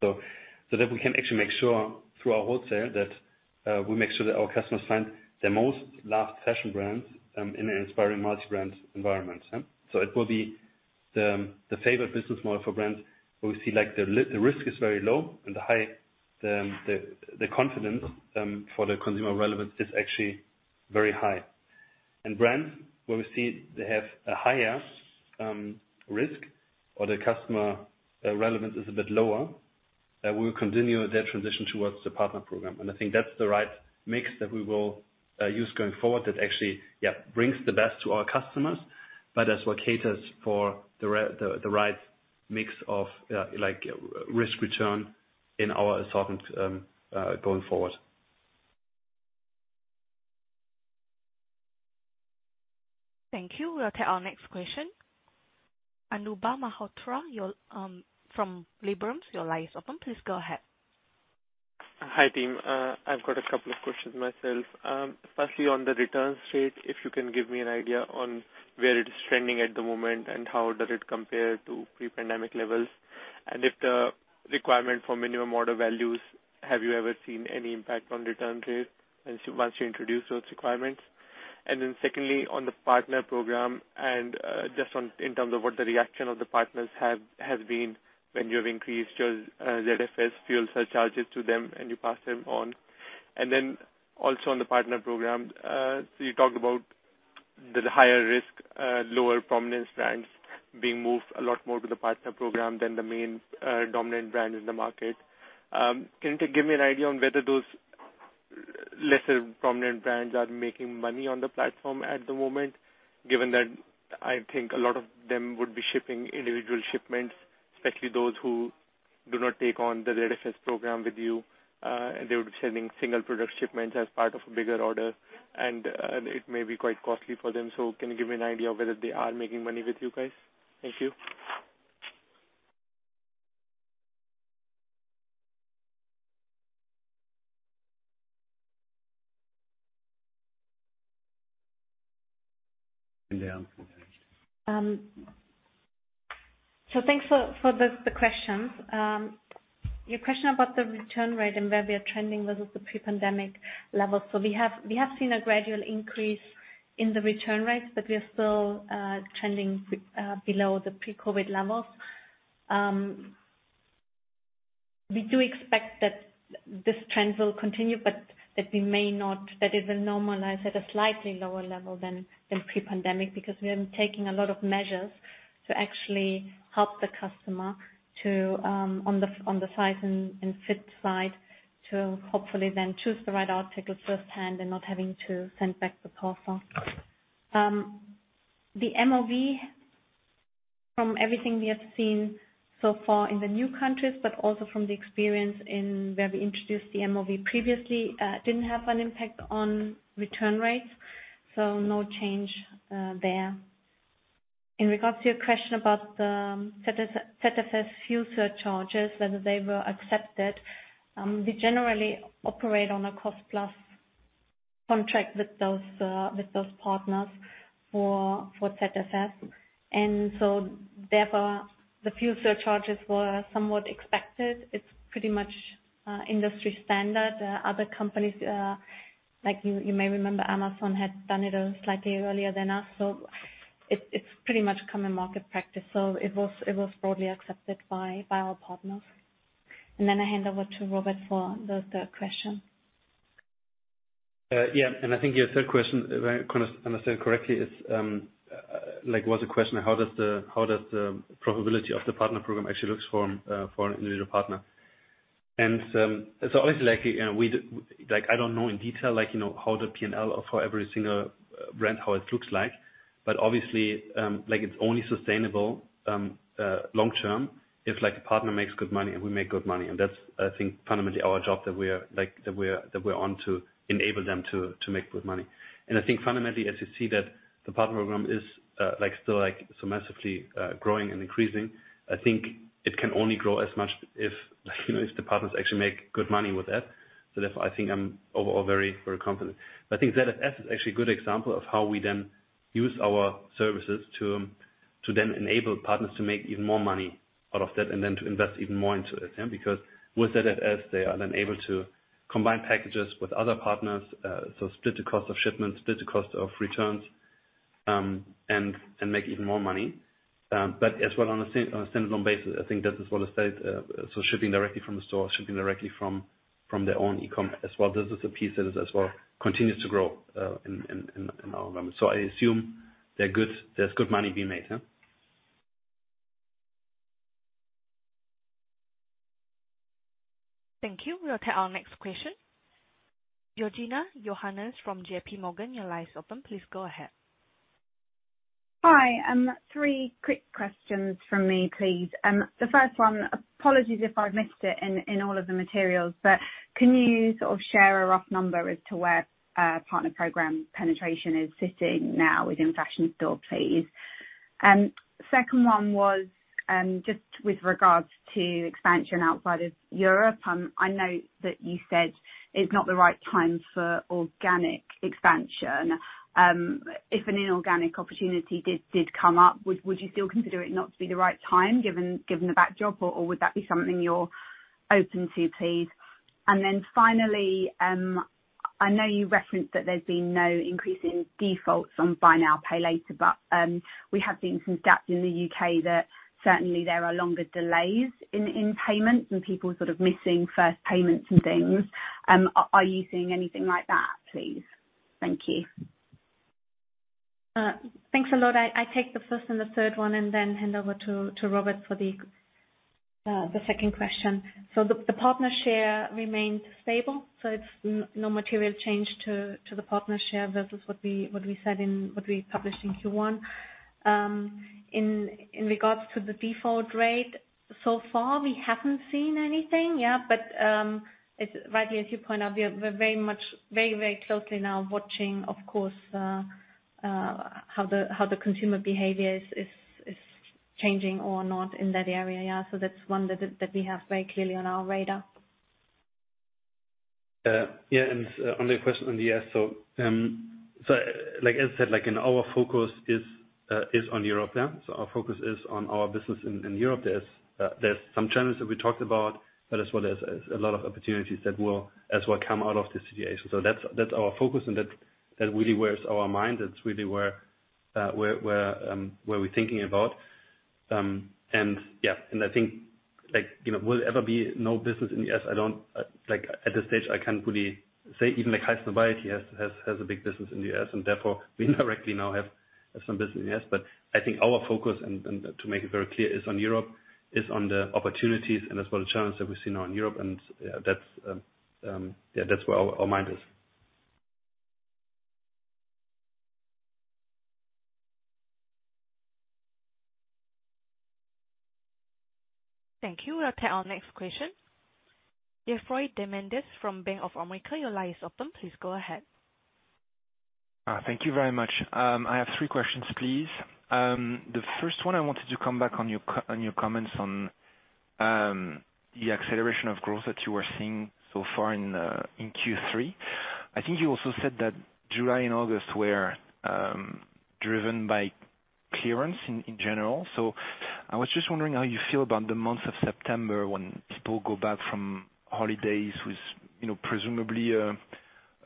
That we can actually make sure through our wholesale that we make sure that our customers find the most loved fashion brands in an inspiring multi-brand environment. It will be the favored business model for brands where we see like the risk is very low and the high confidence for the consumer relevance is actually very high. Brands where we see they have a higher risk or the customer relevance is a bit lower, we will continue their transition towards the partner program. I think that's the right mix that we will use going forward that actually, yeah, brings the best to our customers, but as well caters for the right mix of like risk return in our assortment going forward. Thank you. We'll take our next question. Anubhav Malhotra from Liberum. Your line is open. Please go ahead. Hi, team. I've got a couple of questions myself. Firstly, on the return rate, if you can give me an idea on where it is trending at the moment and how does it compare to pre-pandemic levels? If the requirement for minimum order values, have you ever seen any impact on return rate and so once you introduce those requirements? Secondly, on the partner program and just on, in terms of what the reaction of the partners has been when you have increased your ZFS fuel surcharges to them, and you pass them on. Also on the partner program, you talked about the higher risk, lower prominence brands being moved a lot more to the partner program than the main, dominant brand in the market. Can you give me an idea on whether those lesser prominent brands are making money on the platform at the moment, given that I think a lot of them would be shipping individual shipments, especially those who do not take on the ZFS program with you, and they would be sending single product shipments as part of a bigger order, and it may be quite costly for them. Can you give me an idea of whether they are making money with you guys? Thank you. Leah, answer that. Thanks for the questions. Your question about the return rate and where we are trending versus the pre-pandemic levels. We have seen a gradual increase in the return rates, but we are still trending below the pre-COVID levels. We do expect that this trend will continue. That it will normalize at a slightly lower level than pre-pandemic because we are taking a lot of measures to actually help the customer on the size and fit side, to hopefully then choose the right article firsthand and not having to send back the parcel. The MOV from everything we have seen so far in the new countries, but also from the experience in where we introduced the MOV previously, didn't have an impact on return rates, so no change there. In regards to your question about the ZFS fuel surcharges, whether they were accepted, we generally operate on a cost plus contract with those partners for ZFS. Therefore, the fuel surcharges were somewhat expected. It's pretty much industry standard. Other companies like you may remember Amazon had done it slightly earlier than us, so it's pretty much common market practice. So it was broadly accepted by our partners. I hand over to Robert for the third question. Yeah. I think your third question, if I kind of understand correctly, is, like, was the question of how does the profitability of the partner program actually looks for an individual partner? Obviously like, you know, I don't know in detail, like, you know, how the P&L for every single brand, how it looks like. But obviously, like, it's only sustainable, long term if like a partner makes good money and we make good money. That's, I think, fundamentally our job that we're on to enable them to make good money. I think fundamentally, as you see that the partner program is, like, still like so massively, growing and increasing, I think it can only grow as much if, like, you know, if the partners actually make good money with that. Therefore, I think I'm overall very, very confident. I think ZFS is actually a good example of how we then use our services to then enable partners to make even more money out of that and then to invest even more into it. Because with ZFS, they are then able to combine packages with other partners, so split the cost of shipments, split the cost of returns, and make even more money. As well on a standalone basis, I think that is what I said. Shipping directly from the store, shipping directly from their own e-com as well. This is a piece that is as well continues to grow in our numbers. I assume they're good, there's good money being made, huh? Thank you. We'll take our next question. Georgina Johanan from J.P. Morgan, your line is open. Please go ahead. Hi. Three quick questions from me, please. The first one, apologies if I've missed it in all of the materials, but can you sort of share a rough number as to where partner program penetration is sitting now within Fashion Store, please? Second one was just with regards to expansion outside of Europe. I know that you said it's not the right time for organic expansion. If an inorganic opportunity did come up, would you still consider it not to be the right time given the backdrop or would that be something you're open to, please? Finally, I know you referenced that there's been no increase in defaults on buy now, pay later, but we have seen some gaps in the UK that certainly there are longer delays in payments and people sort of missing first payments and things. Are you seeing anything like that, please? Thank you. Thanks a lot. I take the first and the third one and then hand over to Robert for the second question. The partner share remains stable, so it's no material change to the partner share versus what we said in what we published in Q1. In regards to the default rate, so far we haven't seen anything. It's rightly as you point out, we're very much very closely now watching, of course, how the consumer behavior is changing or not in that area. That's one that we have very clearly on our radar. Yeah. On the question, yes. Like as said, our focus is on Europe. Yeah. Our focus is on our business in Europe. There's some challenges that we talked about, but as well, there's a lot of opportunities that will as well come out of this situation. That's our focus and that's really where our mind is. That's really where we're thinking about. Yeah. I think like, you know, will there ever be no business in the US? I don't like at this stage I can't really say even like Highsnobiety has a big business in the US and therefore we indirectly now have some business in the US. I think our focus and to make it very clear, is on Europe, is on the opportunities and as well the challenges that we see now in Europe. That's yeah that's where our mind is. Thank you. We'll take our next question. Geoffroy de Mendez from Bank of America, your line is open. Please go ahead. Thank you very much. I have three questions, please. The first one, I wanted to come back on your comments on the acceleration of growth that you are seeing so far in Q3. I think you also said that July and August were driven by clearance in general. I was just wondering how you feel about the month of September when people go back from holidays with, you know, presumably a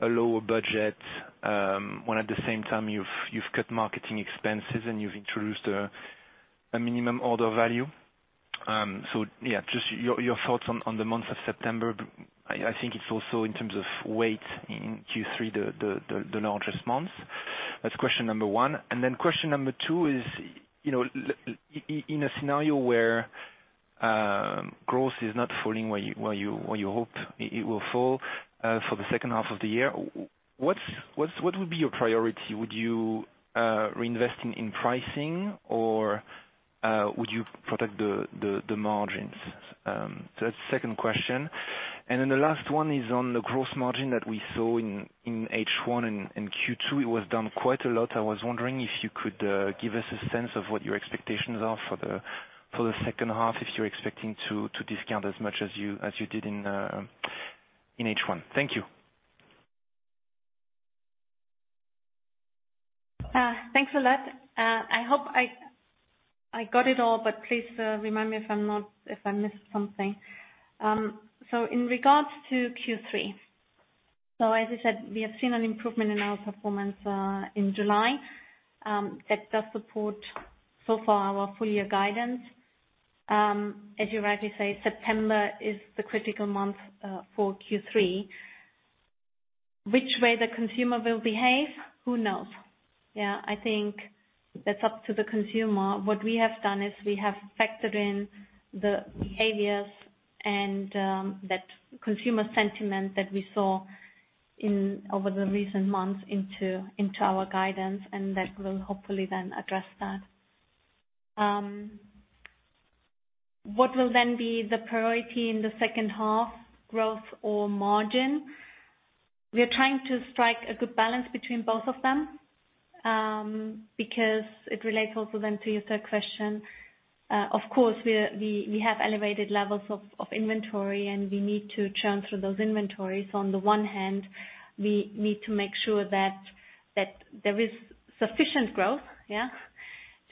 lower budget, when at the same time you've cut marketing expenses and you've introduced a minimum order value. Yeah, just your thoughts on the month of September. I think it's also in terms of weight in Q3, the largest month. That's question number one. Question number 2 is, you know, in a scenario where growth is not falling where you hope it will fall for the second half of the year, what's your priority? Would you reinvest in pricing or would you protect the margins? So that's the second question. The last one is on the gross margin that we saw in H1 and in Q2, it was down quite a lot. I was wondering if you could give us a sense of what your expectations are for the second half, if you're expecting to discount as much as you did in H1. Thank you. Thanks a lot. I hope I got it all, but please, remind me if I'm not, if I missed something. In regards to Q3, as I said, we have seen an improvement in our performance in July that does support so far our full year guidance. As you rightly say, September is the critical month for Q3. Which way the consumer will behave, who knows? Yeah, I think that's up to the consumer. What we have done is we have factored in the behaviors and that consumer sentiment that we saw in over the recent months into our guidance, and that will hopefully then address that. What will then be the priority in the second half, growth or margin? We are trying to strike a good balance between both of them, because it relates also then to your third question. Of course we have elevated levels of inventory, and we need to churn through those inventories. On the one hand, we need to make sure that there is sufficient growth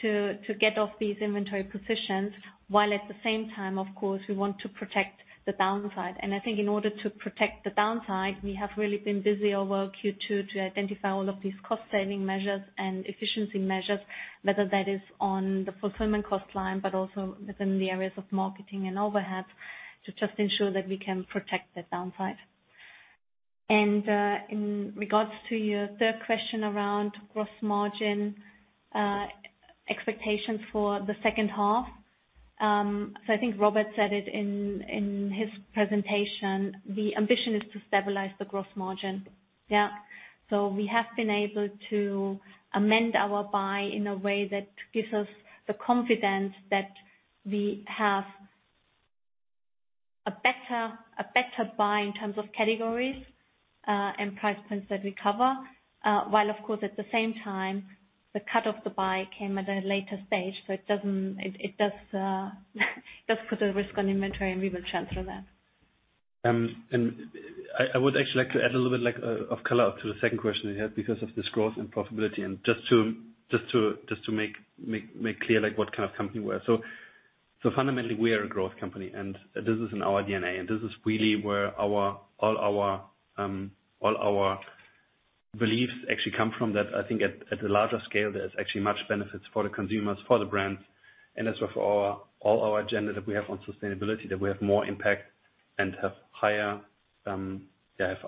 to get off these inventory positions, while at the same time, of course, we want to protect the downside. I think in order to protect the downside, we have really been busy over Q2 to identify all of these cost saving measures and efficiency measures, whether that is on the fulfillment cost line, but also within the areas of marketing and overhead to just ensure that we can protect the downside. In regards to your third question around gross margin expectations for the second half, so I think Robert said it in his presentation, the ambition is to stabilize the gross margin. Yeah. We have been able to amend our buy in a way that gives us the confidence that we have a better buy in terms of categories and price points that we cover, while, of course, at the same time, the cut of the buy came at a later stage, so it does put a risk on inventory, and we will transfer that. I would actually like to add a little bit, like, of color to the second question you had because of this growth and profitability. Just to make clear, like, what kind of company we are. Fundamentally, we are a growth company, and this is in our DNA, and this is really where all our beliefs actually come from, that I think at the larger scale, there's actually much benefits for the consumers, for the brands. As for all our agenda that we have on sustainability, that we have more impact and have higher, have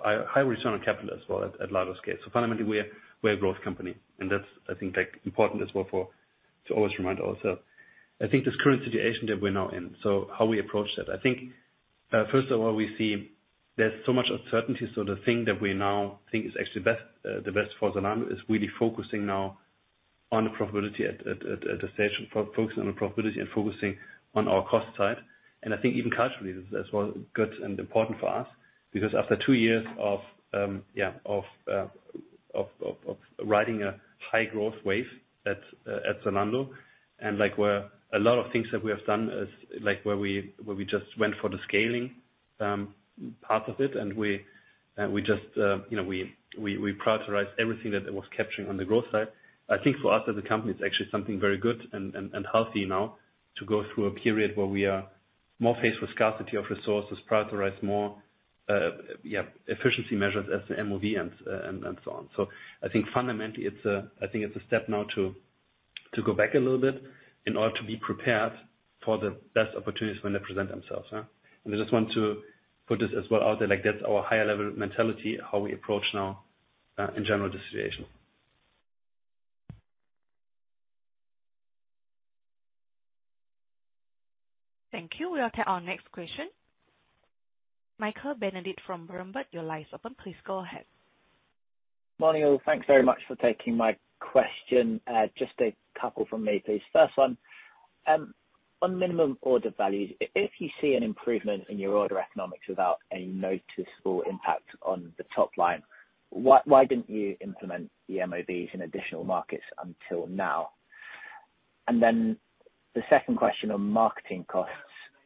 high return on capital as well at larger scale. Fundamentally, we're a growth company, and that's, I think, like, important as well to always remind ourselves. I think this current situation that we're now in, so how we approach that. I think, first of all, we see there's so much uncertainty, so the thing that we now think is actually best, the best for Zalando is really focusing now on the profitability at this stage. Focusing on the profitability and focusing on our cost side. I think even culturally, this is as well good and important for us because after two years of riding a high growth wave at Zalando and, like, where a lot of things that we have done is, like, where we just went for the scaling part of it. We just, you know, we prioritized everything that it was capturing on the growth side. I think for us as a company, it's actually something very good and healthy now to go through a period where we are more faced with scarcity of resources, prioritize more, efficiency measures as the MOV and so on. I think fundamentally it's a step now to go back a little bit in order to be prepared for the best opportunities when they present themselves. I just want to put this as well out there, like, that's our higher level mentality, how we approach now in general the situation. Thank you. We'll take our next question. Michael Benedict from Berenberg, your line is open. Please go ahead. Morning, all. Thanks very much for taking my question. Just a couple from me, please. First one, on minimum order values, if you see an improvement in your order economics without any noticeable impact on the top line, why didn't you implement the MOVs in additional markets until now? Then the second question on marketing costs,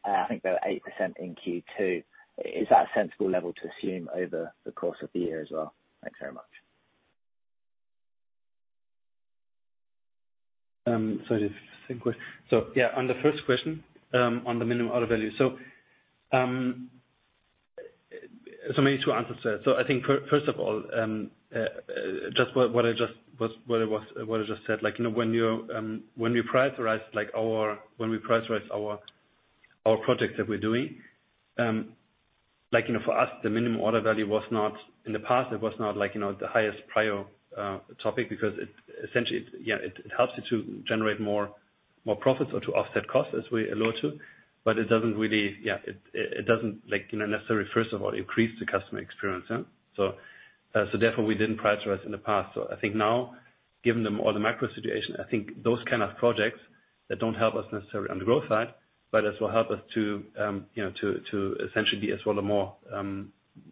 I think they're 8% in Q2. Is that a sensible level to assume over the course of the year as well? Thanks very much. Yeah, on the first question, on the minimum order value. Many ways to answer that. I think first of all, just what I just said, like you know when we prioritize our projects that we're doing, like you know for us, the minimum order value was not. In the past it was not, like you know, the highest priority topic because it essentially helps you to generate more profits or to offset costs as we allude to. It doesn't really like you know necessarily first of all increase the customer experience. Therefore, we didn't prioritize in the past. I think now, given the macro situation, I think those kind of projects that don't help us necessarily on the growth side, but that will help us to, you know, to essentially be, well, a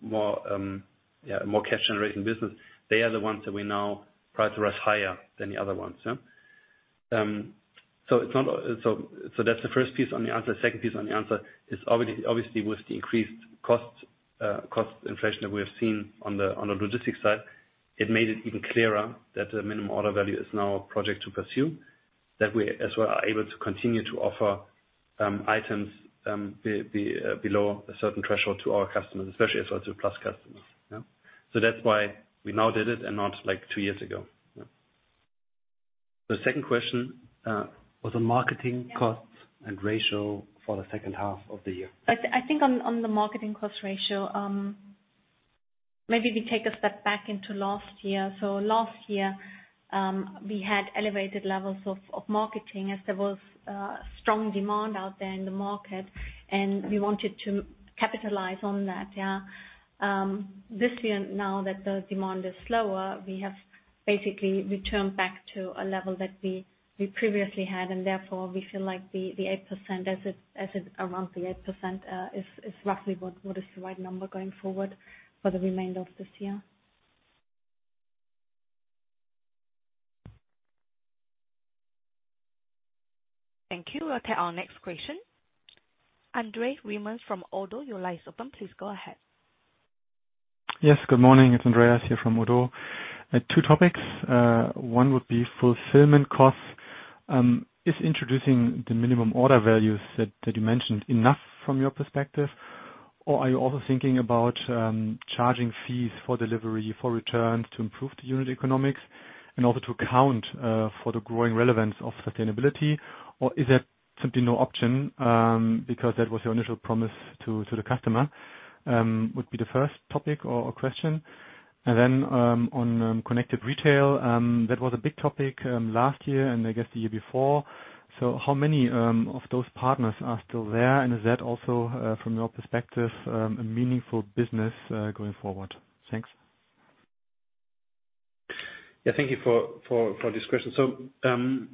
more cash generating business. They are the ones that we now prioritize higher than the other ones. That's the first piece of the answer. The second piece of the answer is obviously with the increased cost inflation that we have seen on the logistics side, it made it even clearer that the minimum order value is now a project to pursue. That we as well are able to continue to offer items below a certain threshold to our customers, especially to Plus customers. That's why we now did it and not, like, two years ago. Yeah. The second question was on marketing costs. Yeah. ratio for the second half of the year. I think on the marketing cost ratio, maybe we take a step back into last year. Last year, we had elevated levels of marketing as there was strong demand out there in the market, and we wanted to capitalize on that. This year, now that the demand is slower, we have basically returned back to a level that we previously had, and therefore we feel like the 8% as it is around the 8% is roughly what is the right number going forward for the remainder of this year. Thank you. We'll take our next question. Andreas Riemann from ODDO, your line is open. Please go ahead. Yes, good morning. It's Andreas here from ODDO. Two topics. One would be fulfillment costs. Is introducing the minimum order values that you mentioned enough from your perspective? Are you also thinking about charging fees for delivery, for returns to improve the unit economics in order to account for the growing relevance of sustainability? Is that simply no option because that was your initial promise to the customer? Would be the first topic or question. Then on Connected Retail, that was a big topic last year and I guess the year before. How many of those partners are still there? Is that also from your perspective a meaningful business going forward? Thanks. Yeah, thank you for this question.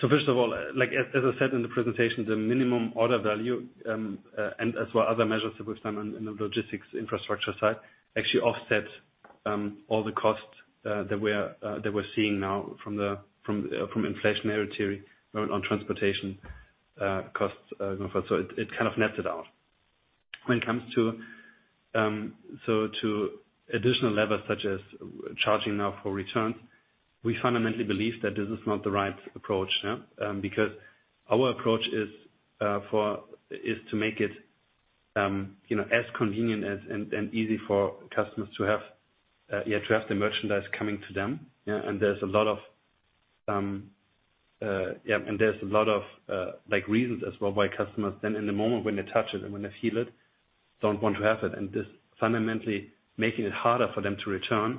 First of all, like, as I said in the presentation, the minimum order value and as well other measures that we've done in the logistics infrastructure side actually offset all the costs that we're seeing now from inflation on transportation costs going forward. It kind of netted out. When it comes to additional levels such as charging now for returns, we fundamentally believe that this is not the right approach, yeah. Because our approach is to make it, you know, as convenient and easy for customers to have the merchandise coming to them. Yeah, there's a lot of like reasons as well why customers then in the moment when they touch it and when they feel it, don't want to have it. This fundamentally making it harder for them to return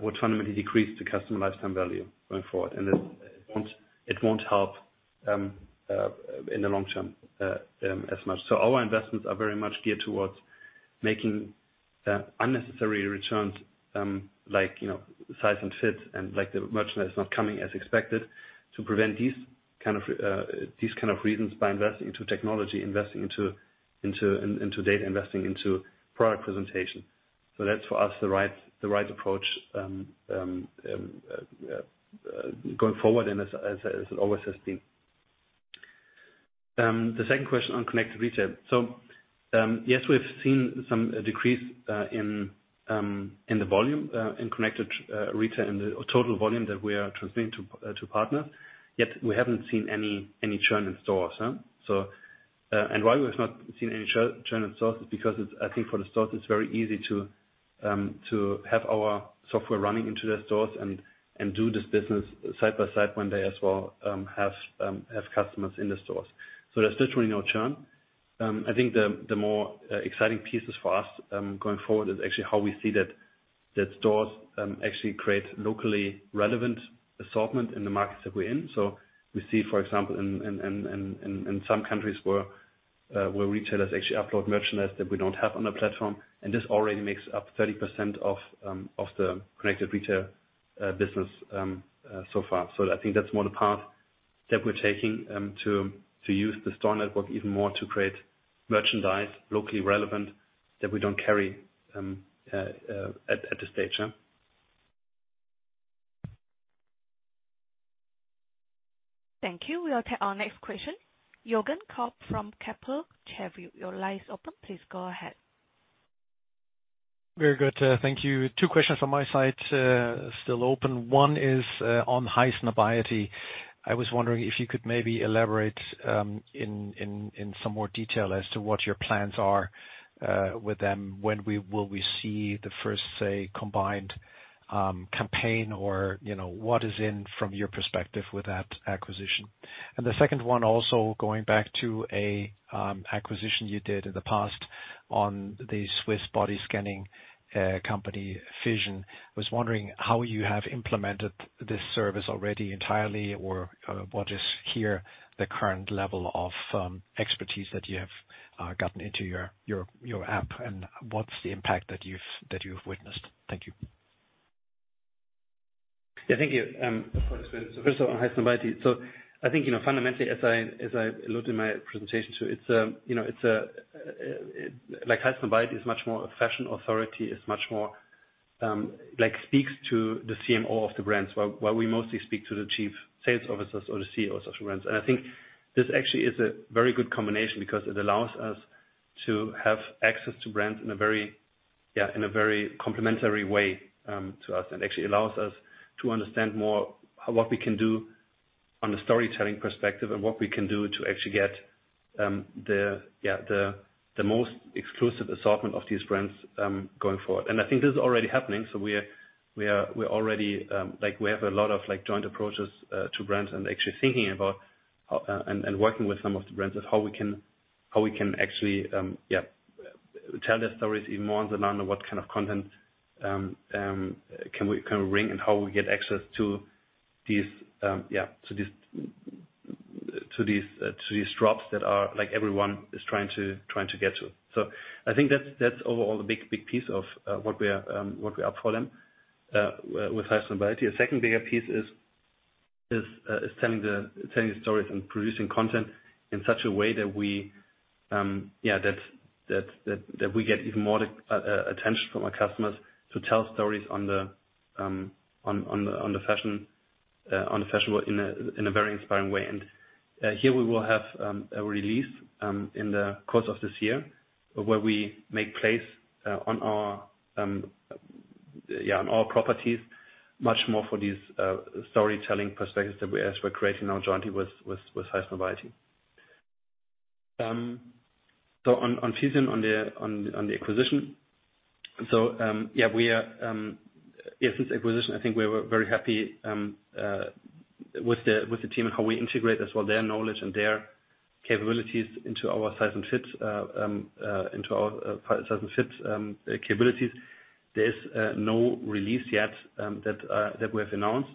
would fundamentally decrease the customer lifetime value going forward. It won't help in the long term as much. Our investments are very much geared towards making unnecessary returns like, you know, size and fit and like the merchandise not coming as expected to prevent these kind of reasons by investing into technology, investing into data, investing into product presentation. That's for us the right approach going forward and as it always has been. The second question on Connected Retail. Yes, we've seen some decrease in the volume in Connected Retail and the total volume that we are transmitting to partners, yet we haven't seen any churn in stores, yeah. Why we've not seen any churn in stores is because it's, I think, for the stores, it's very easy to have our software running into their stores and do this business side by side when they as well have customers in the stores. There's literally no churn. I think the more exciting pieces for us going forward is actually how we see that stores actually create locally relevant assortment in the markets that we're in. We see, for example, in some countries where retailers actually upload merchandise that we don't have on the platform, and this already makes up 30% of the Connected Retail business so far. I think that's one part that we're taking to use the store network even more to create merchandise locally relevant that we don't carry at this stage, yeah. Thank you. We'll take our next question. Jürgen Kolb from Kepler Cheuvreux. Over to you, your line is open. Please go ahead. Very good. Thank you. Two questions on my side, still open. One is on Highsnobiety. I was wondering if you could maybe elaborate in some more detail as to what your plans are with them. When will we see the first, say, combined campaign or, you know, what's in it from your perspective with that acquisition? The second one, also, going back to a acquisition you did in the past on the Swiss body scanning company Fision. Was wondering how you have implemented this service already entirely or what is here the current level of expertise that you have gotten into your app and what's the impact that you've witnessed? Thank you. Yeah, thank you. Of course. First of all, on Highsnobiety. I think, you know, fundamentally as I looked in my presentation to it's like Highsnobiety is much more a fashion authority. It's much more like speaks to the CMO of the brands, while we mostly speak to the chief sales officers or the CEOs of brands. I think this actually is a very good combination because it allows us to have access to brands in a very complementary way to us. And actually allows us to understand more what we can do on the storytelling perspective and what we can do to actually get the most exclusive assortment of these brands going forward. I think this is already happening. We're already like we have a lot of like joint approaches to brands and actually thinking about and working with some of the brands is how we can actually yeah tell their stories even more and then learn what kind of content can we bring and how we get access to these yeah to these drops that are like everyone is trying to get to. I think that's overall the big piece of what we are for them with Highsnobiety. A second bigger piece is telling the stories and producing content in such a way that we get even more attention from our customers to tell stories on the fashion in a very inspiring way. Here we will have a release in the course of this year, where we make place on our properties much more for these storytelling perspectives that we're creating now jointly with Highsnobiety. On Fision, on the acquisition. Since acquisition, I think we were very happy with the team and how we integrate as well their knowledge and their capabilities into our size and fit capabilities. There's no release yet that we have announced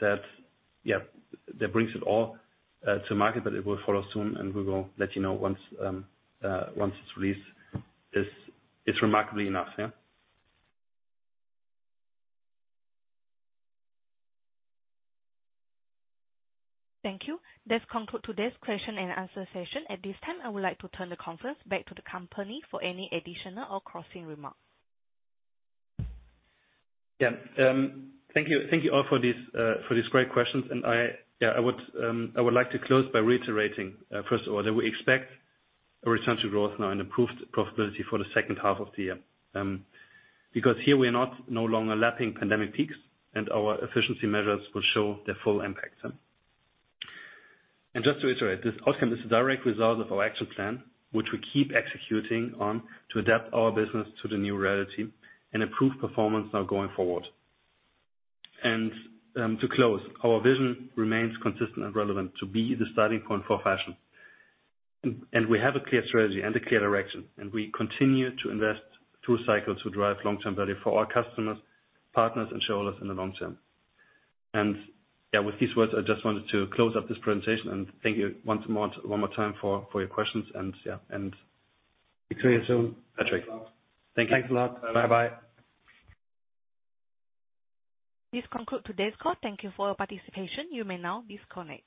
that brings it all to market, but it will follow soon and we will let you know once it's released. It's remarkably enough. Thank you. That concludes today's question and answer session. At this time, I would like to turn the conference back to the company for any additional or closing remarks. Thank you, thank you all for these great questions. I would like to close by reiterating first of all, that we expect a return to growth now and improved profitability for the second half of the year. Because here we are not no longer lapping pandemic peaks, and our efficiency measures will show their full impact. Just to reiterate, this outcome is a direct result of our action plan, which we keep executing on to adapt our business to the new reality and improve performance now going forward. To close, our vision remains consistent and relevant to be the starting point for fashion. We have a clear strategy and a clear direction, and we continue to invest through cycles to drive long-term value for our customers, partners, and shareholders in the long term. Yeah, with these words, I just wanted to close up this presentation and thank you once more, one more time for your questions. Yeah, and see you soon. Patrick. Thank you. Thanks a lot. Bye-bye. This concludes today's call. Thank you for your participation. You may now disconnect.